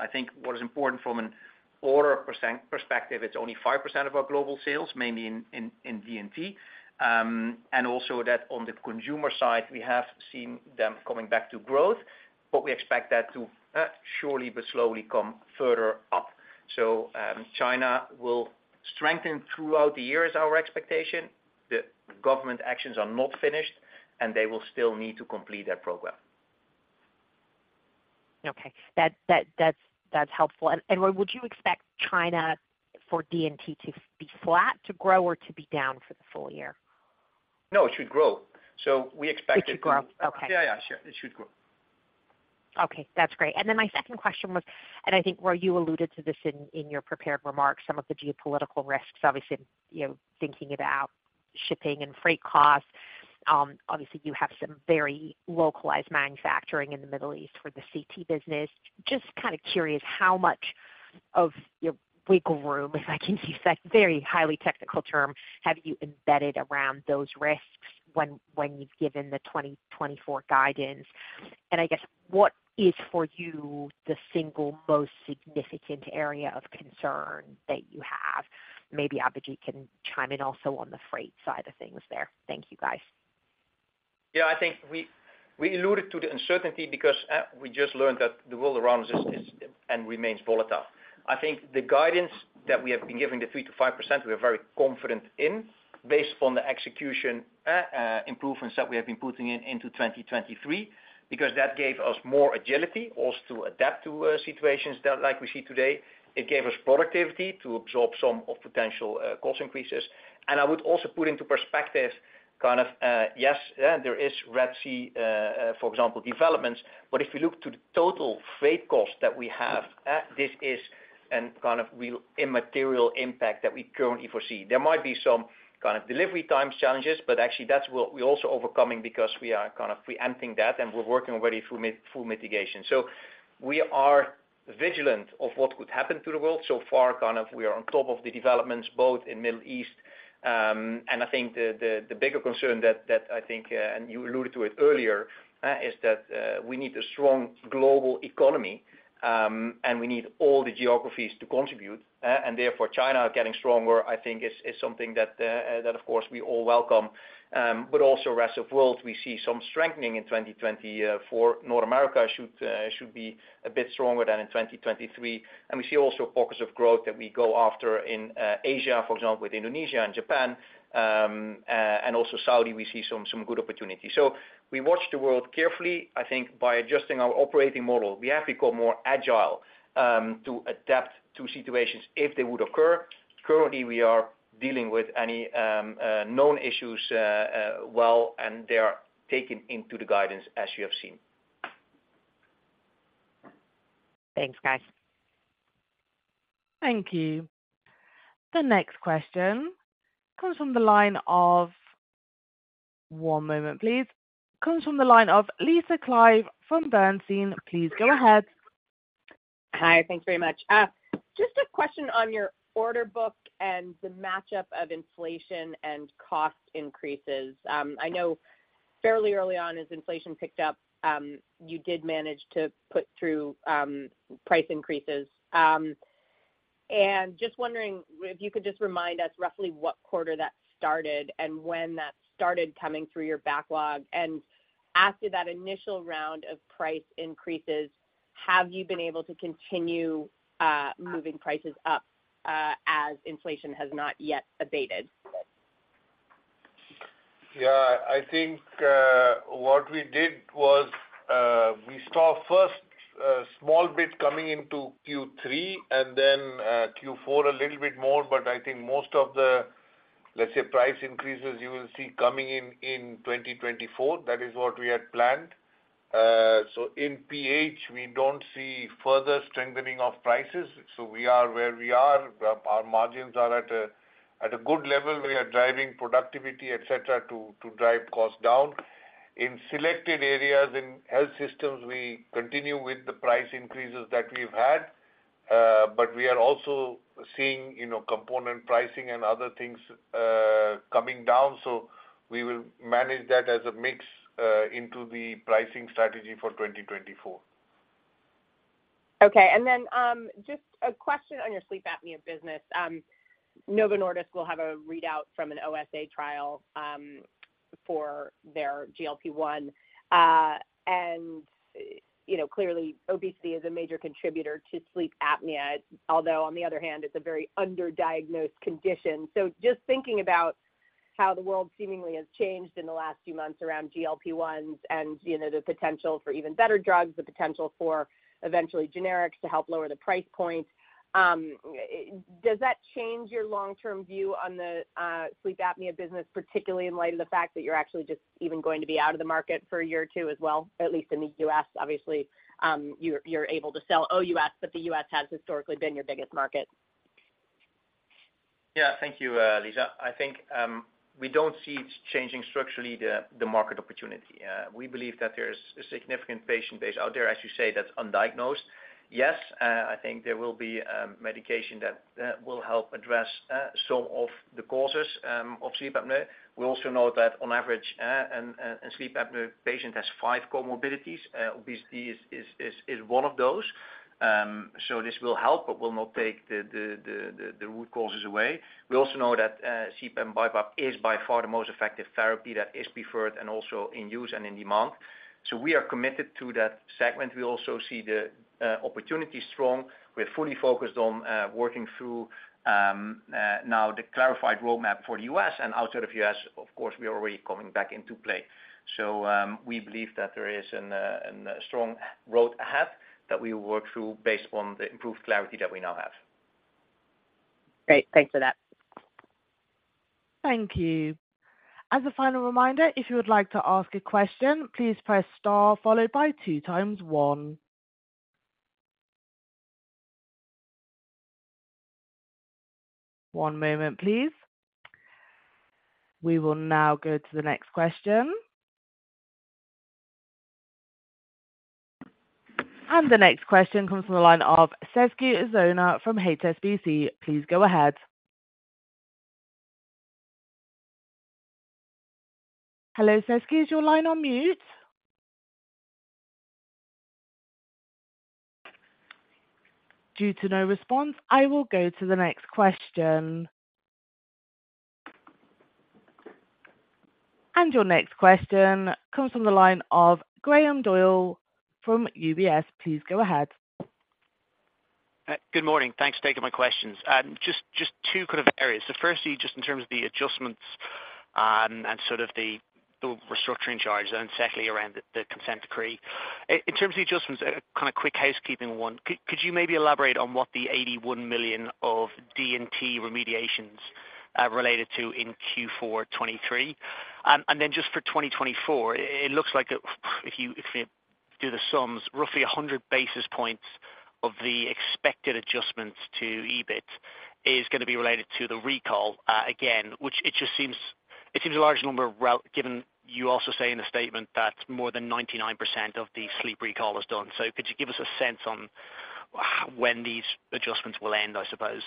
I think what is important from an order perspective, it's only 5% of our global sales, mainly in D&T. And also that on the consumer side, we have seen them coming back to growth, but we expect that to surely but slowly come further up. So, China will strengthen throughout the year, is our expectation. The government actions are not finished, and they will still need to complete that program. Okay, that's helpful. Would you expect China for D&T to be flat, to grow, or to be down for the full year? No, it should grow. So we expect it to- It should grow? Okay. Yeah, yeah, sure. It should grow. Okay, that's great. And then my second question was, and I think, Roy, you alluded to this in, in your prepared remarks, some of the geopolitical risks, obviously, you know, thinking about shipping and freight costs. Obviously, you have some very localized manufacturing in the Middle East for the CT business. Just kind of curious, how much of your wiggle room, if I can use that very highly technical term, have you embedded around those risks when, when you've given the 2024 guidance? And I guess, what is, for you, the single most significant area of concern that you have? Maybe Abhijit can chime in also on the freight side of things there. Thank you, guys. Yeah, I think we alluded to the uncertainty because we just learned that the world around us is and remains volatile. I think the guidance that we have been giving, the 3%-5%, we are very confident in, based on the execution improvements that we have been putting in into 2023, because that gave us more agility also to adapt to situations that like we see today. It gave us productivity to absorb some of potential cost increases. And I would also put into perspective, kind of yes yeah, there is Red Sea for example developments, but if you look to the total freight costs that we have, this is immaterial impact that we currently foresee. There might be some kind of delivery times challenges, but actually, that's what we're also overcoming because we are kind of preempting that, and we're working already through full mitigation. So we are vigilant of what could happen to the world. So far, kind of we are on top of the developments, both in Middle East. And I think the bigger concern that I think, and you alluded to it earlier, is that we need a strong global economy, and we need all the geographies to contribute. And therefore, China getting stronger, I think is something that of course, we all welcome. But also rest of world, we see some strengthening in 2024. North America should be a bit stronger than in 2023, and we see also pockets of growth that we go after in Asia, for example, with Indonesia and Japan, and also Saudi, we see some good opportunities. So we watch the world carefully, I think by adjusting our operating model. We have to become more agile, to adapt to situations if they would occur. Currently, we are dealing with any known issues, well, and they are taken into the guidance, as you have seen. Thanks, guys. Thank you. The next question comes from the line of... One moment, please. Comes from the line of Lisa Clive from Bernstein. Please go ahead. Hi, thanks very much. Just a question on your order book and the matchup of inflation and cost increases. I know fairly early on, as inflation picked up, you did manage to put through price increases. And just wondering if you could just remind us roughly what quarter that started and when that started coming through your backlog. And after that initial round of price increases, have you been able to continue moving prices up as inflation has not yet abated? Yeah, I think what we did was we saw first a small bit coming into Q3 and then Q4, a little bit more. But I think most of the, let's say, price increases you will see coming in in 2024. That is what we had planned. So in PH, we don't see further strengthening of prices, so we are where we are. Our margins are at a good level. We are driving productivity, et cetera, to drive costs down. In selected areas in health systems, we continue with the price increases that we've had, but we are also seeing, you know, component pricing and other things coming down. So we will manage that as a mix into the pricing strategy for 2024. Okay. And then, just a question on your sleep apnea business. Novo Nordisk will have a readout from an OSA trial, for their GLP-1. And, you know, clearly, obesity is a major contributor to sleep apnea, although, on the other hand, it's a very underdiagnosed condition. So just thinking about how the world seemingly has changed in the last few months around GLP-1s and, you know, the potential for even better drugs, the potential for eventually generics to help lower the price points, does that change your long-term view on the, sleep apnea business, particularly in light of the fact that you're actually just even going to be out of the market for a year or two as well, at least in the U.S.? Obviously, you're able to sell OUS, but the U.S. has historically been your biggest market. Yeah. Thank you, Lisa. I think we don't see it changing structurally, the market opportunity. We believe that there is a significant patient base out there, as you say, that's undiagnosed. Yes, I think there will be medication that will help address some of the causes of sleep apnea. We also know that on average, a sleep apnea patient has five comorbidities. Obesity is one of those. So this will help, but will not take the root causes away. We also know that CPAP and BiPAP is by far the most effective therapy that is preferred and also in use and in demand. So we are committed to that segment. We also see the opportunity strong. We're fully focused on working through now the clarified roadmap for the U.S. And outside of U.S., of course, we are already coming back into play. So, we believe that there is a strong road ahead that we will work through based on the improved clarity that we now have. Great, thanks for that. Thank you. As a final reminder, if you would like to ask a question, please press star followed by two times one. One moment, please. We will now go to the next question. And the next question comes from the line of Sezgi Ozener from HSBC. Please go ahead. Hello, Sezgi, is your line on mute? Due to no response, I will go to the next question. And your next question comes from the line of Graham Doyle from UBS. Please go ahead. Good morning. Thanks for taking my questions. Just, just two kind of areas. So firstly, just in terms of the adjustments, and sort of the, the restructuring charge, and secondly, around the, the consent decree. In terms of the adjustments, kind of quick housekeeping one, could you maybe elaborate on what the 81 million of D&T remediations related to in Q4 2023? And then just for 2024, it looks like if you, if you do the sums, roughly 100 basis points of the expected adjustments to EBIT is gonna be related to the recall, again, which it just seems, it seems a large number, right, given you also say in the statement that more than 99% of the sleep recall is done. So could you give us a sense on when these adjustments will end, I suppose?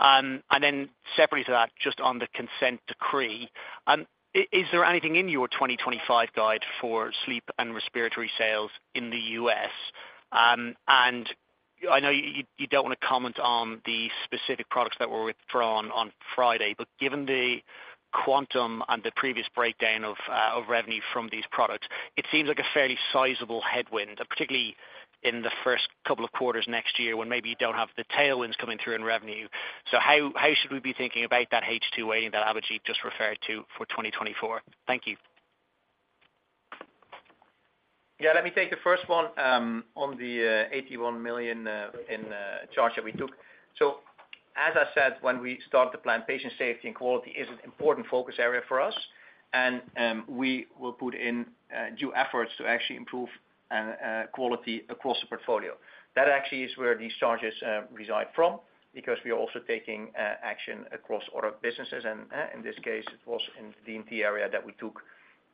And then separately to that, just on the Consent Decree, is there anything in your 2025 guide for sleep and respiratory sales in the U.S.? And I know you don't want to comment on the specific products that were withdrawn on Friday, but given the quantum and the previous breakdown of revenue from these products, it seems like a fairly sizable headwind, particularly in the first couple of quarters next year, when maybe you don't have the tailwinds coming through in revenue. So how should we be thinking about that H2A that Abhijit just referred to for 2024? Thank you. Yeah, let me take the first one, on the 81 million in charge that we took. So as I said, when we start the plan, patient safety and quality is an important focus area for us, and we will put in due efforts to actually improve and quality across the portfolio. That actually is where these charges reside from, because we are also taking action across all our businesses, and in this case, it was in the D&T area that we took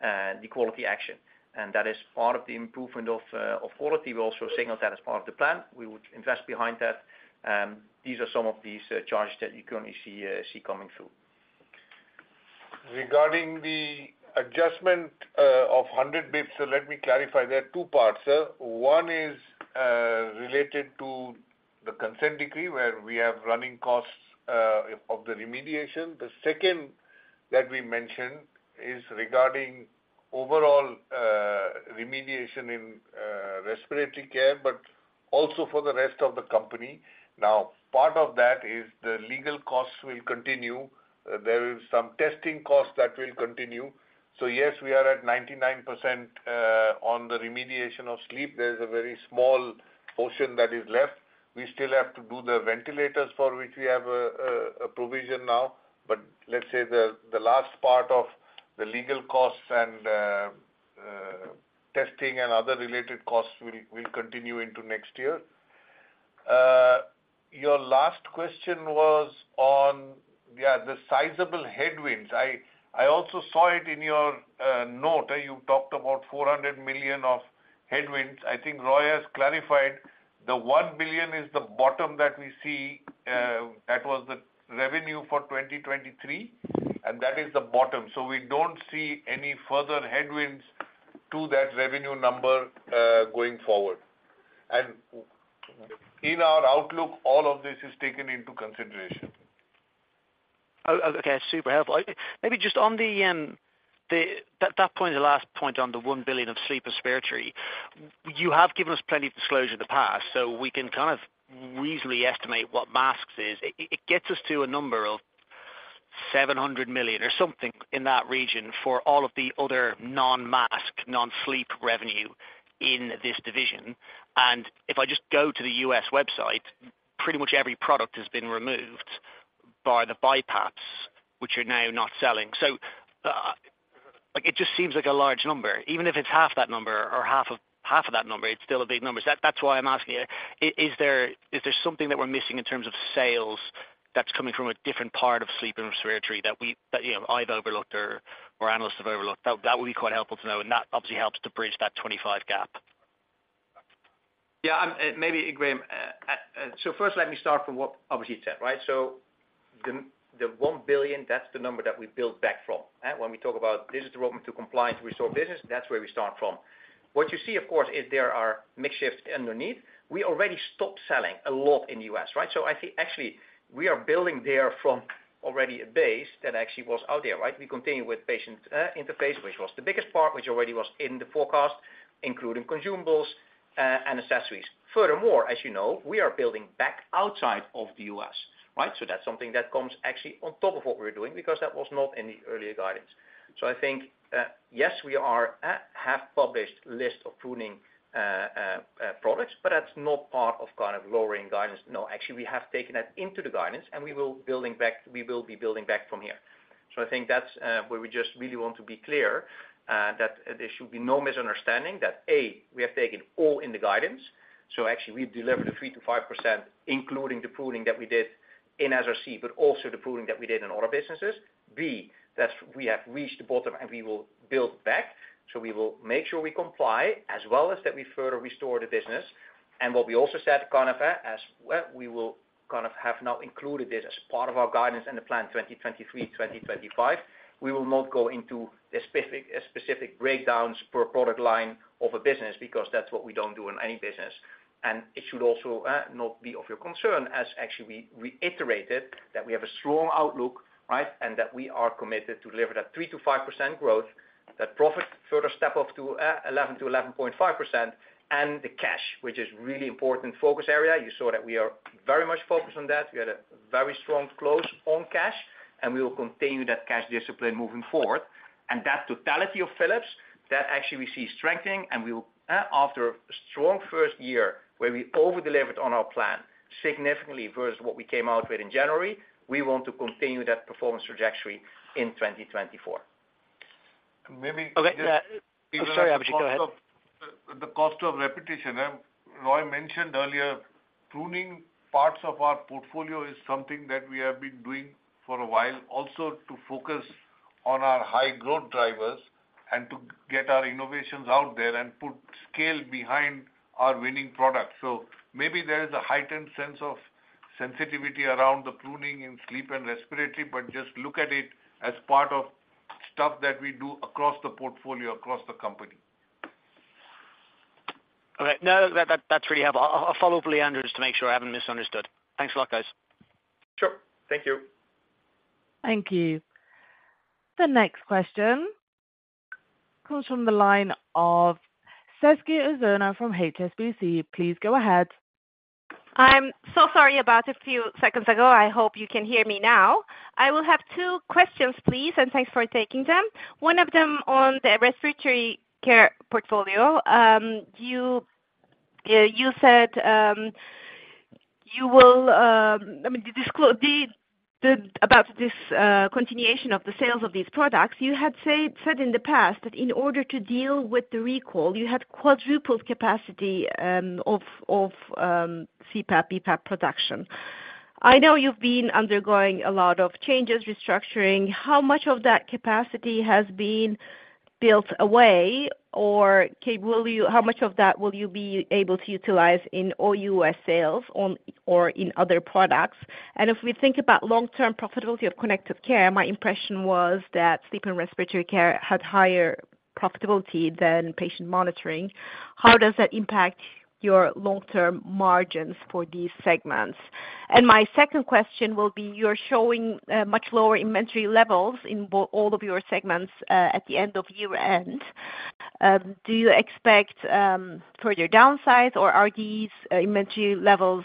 the quality action, and that is part of the improvement of quality. We're also signaling that as part of the plan, we would invest behind that, and these are some of these charges that you currently see coming through. Regarding the adjustment of 100 basis points, so let me clarify. There are two parts. One is related to the Consent Decree, where we have running costs of the remediation. The second that we mentioned is regarding overall remediation in respiratory care, but also for the rest of the company. Now, part of that is the legal costs will continue. There is some testing costs that will continue. So yes, we are at 99% on the remediation of sleep. There is a very small portion that is left. We still have to do the ventilators for which we have a provision now. But let's say the last part of the legal costs and testing and other related costs will continue into next year. Your last question was on, yeah, the sizable headwinds. I also saw it in your note. You talked about 400 million of headwinds. I think Roy has clarified the 1 billion is the bottom that we see, that was the revenue for 2023, and that is the bottom. So we don't see any further headwinds to that revenue number, going forward. And in our outlook, all of this is taken into consideration. Oh, okay, super helpful. Maybe just on the, the—that point, the last point on the 1 billion of sleep and respiratory, you have given us plenty of disclosure in the past, so we can kind of easily estimate what masks is. It gets us to a number of 700 million or something in that region for all of the other non-mask, non-sleep revenue in this division. And if I just go to the US website, pretty much every product has been removed by the BiPAPs, which are now not selling. So, like, it just seems like a large number. Even if it's half that number or half of half of that number, it's still a big number. So that's why I'm asking you, is there something that we're missing in terms of sales that's coming from a different part of sleep and respiratory that we... That, you know, I've overlooked or analysts have overlooked? That would be quite helpful to know, and that obviously helps to bridge that 25 gap. Yeah, maybe, Graham. So first, let me start from what Abhijit said, right? So the, the 1 billion, that's the number that we built back from, when we talk about this is the roadmap to compliant to restore business, that's where we start from. What you see, of course, is there are mix shifts underneath. We already stopped selling a lot in the U.S., right? So I see actually, we are building there from already a base that actually was out there, right? We continue with patient interface, which was the biggest part, which already was in the forecast, including consumables and accessories. Furthermore, as you know, we are building back outside of the U.S., right? So that's something that comes actually on top of what we're doing, because that was not in the earlier guidance. So I think, yes, we have published list of pruning products, but that's not part of kind of lowering guidance. No, actually, we have taken that into the guidance, and we will be building back from here. So I think that's where we just really want to be clear that there should be no misunderstanding, that A, we have taken all in the guidance. So actually we've delivered a 3%-5%, including the pruning that we did in SRC, but also the pruning that we did in other businesses. B, that we have reached the bottom, and we will build back. So we will make sure we comply, as well as that we further restore the business. What we also said, kind of, as well, we will kind of have now included this as part of our guidance and the 2023-2025 plan. We will not go into the specific, specific breakdowns per product line of a business, because that's what we don't do in any business. It should also not be of your concern, as actually we reiterated that we have a strong outlook, right? And that we are committed to deliver that 3%-5% growth, that profit further step up to 11%-11.5%, and the cash, which is really important focus area. You saw that we are very much focused on that. We had a very strong close on cash, and we will continue that cash discipline moving forward. That totality of Philips, that actually we see strengthening, and we will, after a strong first year, where we over-delivered on our plan, significantly versus what we came out with in January, we want to continue that performance trajectory in 2024. Maybe- Okay, I'm sorry, Abhijit, go ahead. The cost of repetition. Roy mentioned earlier, pruning parts of our portfolio is something that we have been doing for a while, also to focus on our high growth drivers and to get our innovations out there and put scale behind our winning products. So maybe there is a heightened sense of sensitivity around the pruning in sleep and respiratory, but just look at it as part of stuff that we do across the portfolio, across the company. All right. No, that that's really helpful. I'll follow up with Leandro just to make sure I haven't misunderstood. Thanks a lot, guys. Sure. Thank you. Thank you. The next question comes from the line of Sezgi Ozener from HSBC. Please go ahead. I'm so sorry about a few seconds ago. I hope you can hear me now. I will have two questions, please, and thanks for taking them. One of them on the respiratory care portfolio. You said you will, I mean, the disclosure about this continuation of the sales of these products, you had said in the past, that in order to deal with the recall, you had quadrupled capacity of CPAP, BiPAP production. I know you've been undergoing a lot of changes, restructuring. How much of that capacity has been built away, or will you-- how much of that will you be able to utilize in all U.S. sales on or in other products? If we think about long-term profitability of Connected Care, my impression was that Sleep and Respiratory Care had higher profitability than Patient Monitoring. How does that impact your long-term margins for these segments? And my second question will be, you're showing much lower inventory levels in all of your segments at the end of year-end. Do you expect further downsides, or are these inventory levels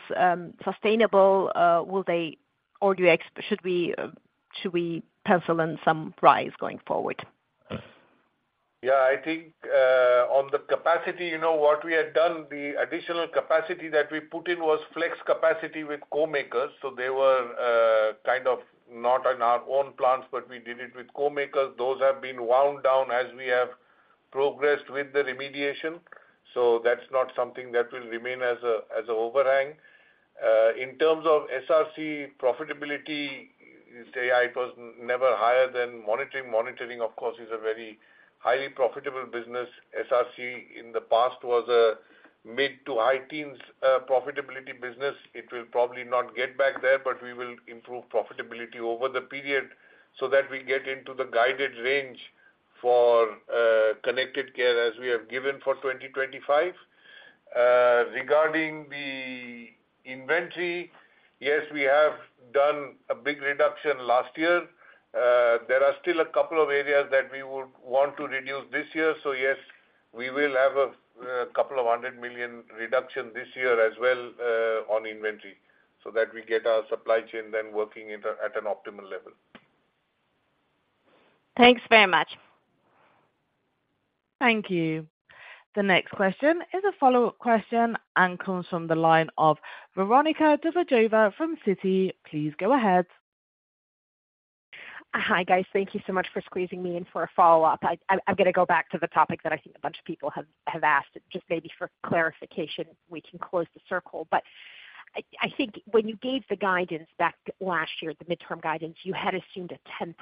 sustainable? Or should we pencil in some rise going forward? Yeah, I think on the capacity, you know, what we had done, the additional capacity that we put in was flex capacity with co-makers. So they were kind of not in our own plants, but we did it with co-makers. Those have been wound down as we have progressed with the remediation, so that's not something that will remain as a overhang. In terms of SRC profitability, you say it was never higher than monitoring. Monitoring, of course, is a very highly profitable business. SRC in the past was a mid to high teens profitability business. It will probably not get back there, but we will improve profitability over the period, so that we get into the guided range for connected care, as we have given for 2025. Regarding the inventory, yes, we have done a big reduction last year. There are still a couple of areas that we would want to reduce this year. So yes, we will have a 200 million reduction this year as well, on inventory, so that we get our supply chain then working at an optimal level. Thanks very much. Thank you. The next question is a follow-up question and comes from the line of Veronika Dubajova from Citi. Please go ahead. Hi, guys. Thank you so much for squeezing me in for a follow-up. I'm gonna go back to the topic that I think a bunch of people have asked, just maybe for clarification, we can close the circle. But I think when you gave the guidance back last year, the midterm guidance, you had assumed a 10%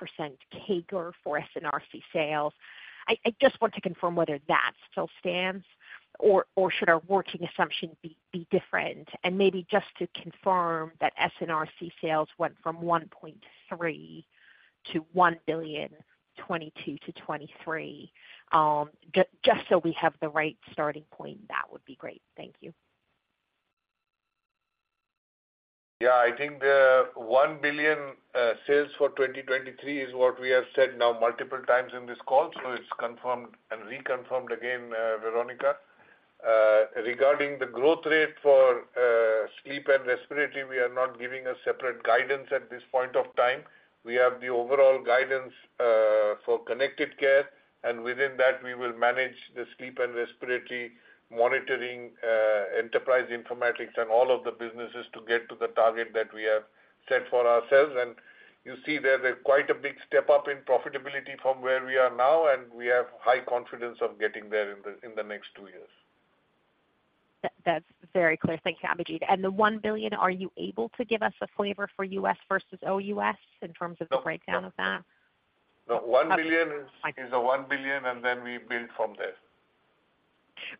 CAGR for SNRC sales. I just want to confirm whether that still stands or should our working assumption be different? And maybe just to confirm that SNRC sales went from 1.3 billion to 1 billion 2022 to 2023, just so we have the right starting point, that would be great. Thank you. Yeah, I think the 1 billion sales for 2023 is what we have said now multiple times in this call, so it's confirmed and reconfirmed again, Veronica. Regarding the growth rate for sleep and respiratory, we are not giving a separate guidance at this point of time. We have the overall guidance for Connected Care, and within that, we will manage the sleep and respiratory monitoring, enterprise informatics and all of the businesses to get to the target that we have set for ourselves. And you see there, there's quite a big step up in profitability from where we are now, and we have high confidence of getting there in the next two years. That's very clear. Thank you, Abhijit. And the 1 billion, are you able to give us a flavor for U.S. versus OUS in terms of the- No... breakdown of that? No. 1 billion is a 1 billion, and then we build from there.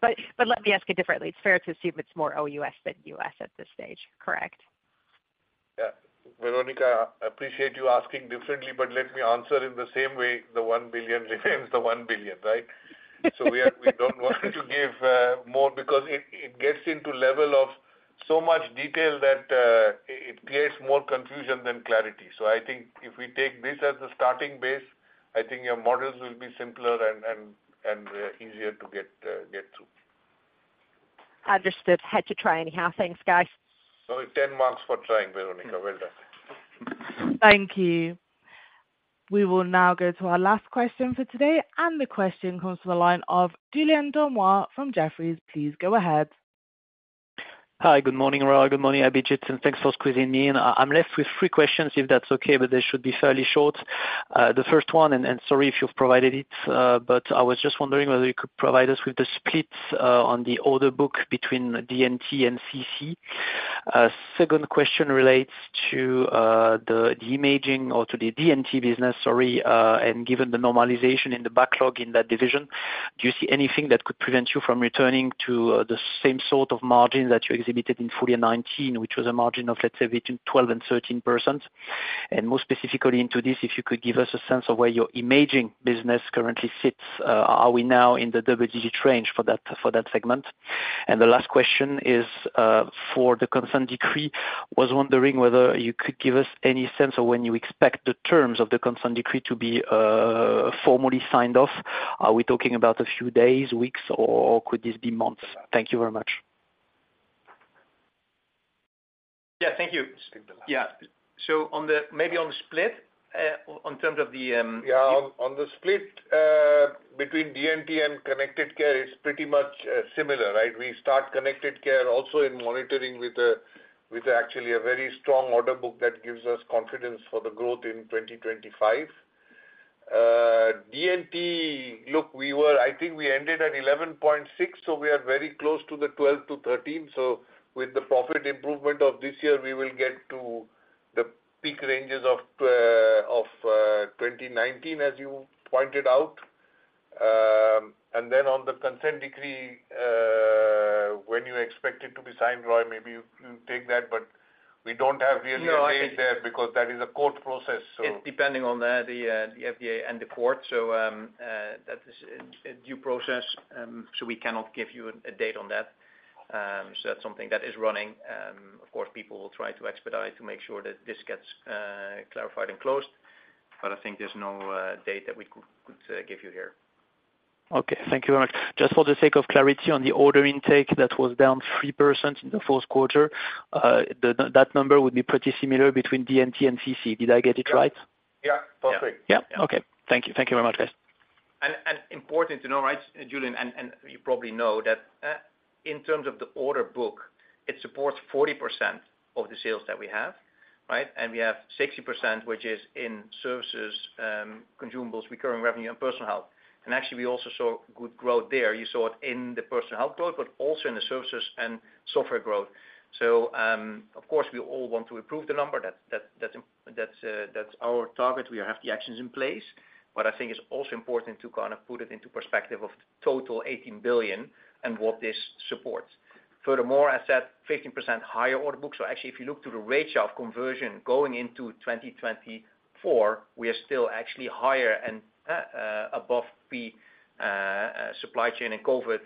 But, let me ask it differently. It's fair to assume it's more OUS than US at this stage, correct? Yeah. Veronica, I appreciate you asking differently, but let me answer in the same way. The 1 billion remains the 1 billion, right? So we are, we don't want to give more because it, it gets into level of so much detail that, it creates more confusion than clarity. So I think if we take this as a starting base, I think your models will be simpler and, and, and, easier to get, get through. Understood. Had to try anyhow. Thanks, guys. 10 marks for trying, Veronica. Well done. Thank you. We will now go to our last question for today, and the question comes from the line of Julien Dormois from Jefferies. Please go ahead. Hi, good morning, Roy. Good morning, Abhijit, and thanks for squeezing me in. I'm left with three questions, if that's okay, but they should be fairly short. The first one, and sorry if you've provided it, but I was just wondering whether you could provide us with the splits on the Order Book between D&T and CC. Second question relates to the imaging or to the D&T business, sorry, and given the normalization in the backlog in that division, do you see anything that could prevent you from returning to the same sort of margin that you exhibited in FY 2019, which was a margin of, let's say, 12%-13%? More specifically into this, if you could give us a sense of where your imaging business currently sits, are we now in the double digit range for that, for that segment? And the last question is, for the Consent Decree, was wondering whether you could give us any sense of when you expect the terms of the Consent Decree to be formally signed off. Are we talking about a few days, weeks, or could this be months? Thank you very much. Yeah, thank you. Yeah. So on the, maybe on the split, on terms of the, Yeah, on the split between D&T and Connected Care, it's pretty much similar, right? We start Connected Care also in monitoring with actually a very strong order book that gives us confidence for the growth in 2025. D&T, look, we were. I think we ended at 11.6, so we are very close to the 12-13. So with the profit improvement of this year, we will get to the peak ranges of twenty nineteen, as you pointed out. And then on the consent decree, when you expect it to be signed, Roy, maybe you take that, but we don't have really a date there- No, I- because that is a court process, so. It's depending on the FDA and the court. So, that is a due process, so we cannot give you a date on that. So that's something that is running. Of course, people will try to expedite to make sure that this gets clarified and closed, but I think there's no date that we could give you here. Okay. Thank you very much. Just for the sake of clarity on the order intake, that was down 3% in the Q4, that number would be pretty similar between DNT and CC. Did I get it right? Yeah, perfect. Yeah. Okay. Thank you. Thank you very much, guys. Important to know, right, Julien, and you probably know that, in terms of the order book, it supports 40% of the sales that we have, right? And we have 60%, which is in services, consumables, recurring revenue, and personal health. And actually, we also saw good growth there. You saw it in the personal health growth, but also in the services and software growth. So, of course, we all want to improve the number. That's our target. We have the actions in place, but I think it's also important to kind of put it into perspective of total 18 billion and what this supports. Furthermore, as said, 15% higher order book. So actually, if you look to the ratio of conversion going into 2024, we are still actually higher and above the supply chain and COVID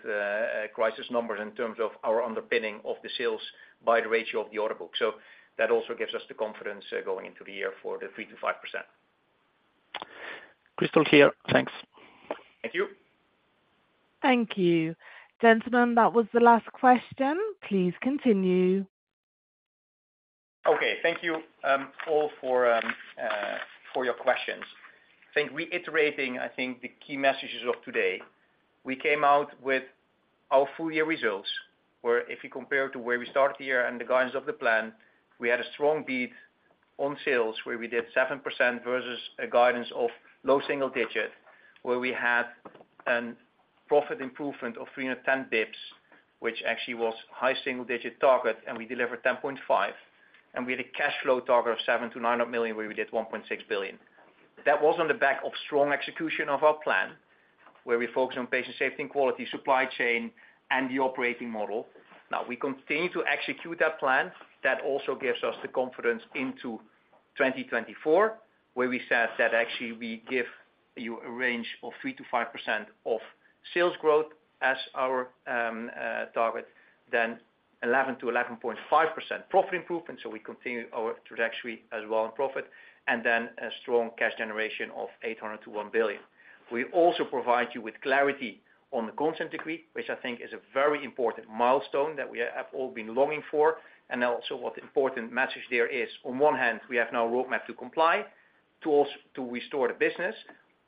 crisis numbers in terms of our underpinning of the sales by the ratio of the order book. So that also gives us the confidence going into the year for the 3%-5%. Crystal clear. Thanks. Thank you. Thank you. Gentlemen, that was the last question. Please continue. Okay. Thank you, all for your questions. I think reiterating, I think the key messages of today, we came out with our full year results, where if you compare to where we started the year and the guidance of the plan, we had a strong beat on sales, where we did 7% versus a guidance of low single-digit, where we had a profit improvement of 310 basis points, which actually was high single-digit target, and we delivered 10.5. We had a cash flow target of 700 million-900 million, where we did 1.6 billion. That was on the back of strong execution of our plan, where we focused on patient safety and quality, supply chain, and the operating model. Now, we continue to execute that plan. That also gives us the confidence into 2024, where we said that actually we give you a range of 3%-5% sales growth as our target, then 11%-11.5% profit improvement, so we continue our trajectory as well in profit, and then a strong cash generation of 800 million-1 billion. We also provide you with clarity on the Consent Decree, which I think is a very important milestone that we have all been longing for, and also what important message there is, on one hand, we have now a roadmap to comply, to also to restore the business,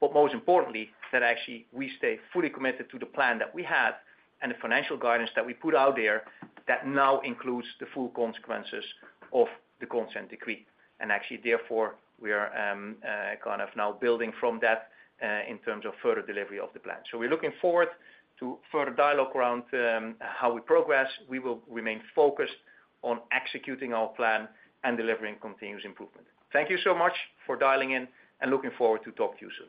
but most importantly, that actually we stay fully committed to the plan that we have and the financial guidance that we put out there that now includes the full consequences of the Consent Decree. Actually, therefore, we are kind of now building from that in terms of further delivery of the plan. So we're looking forward to further dialogue around how we progress. We will remain focused on executing our plan and delivering continuous improvement. Thank you so much for dialing in, and looking forward to talk to you soon.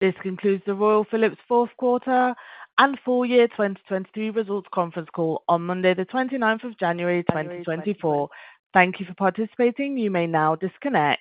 This concludes the Royal Philips Q4 and full year 2023 results conference call on Monday, the 29th of January, 2024. Thank you for participating. You may now disconnect.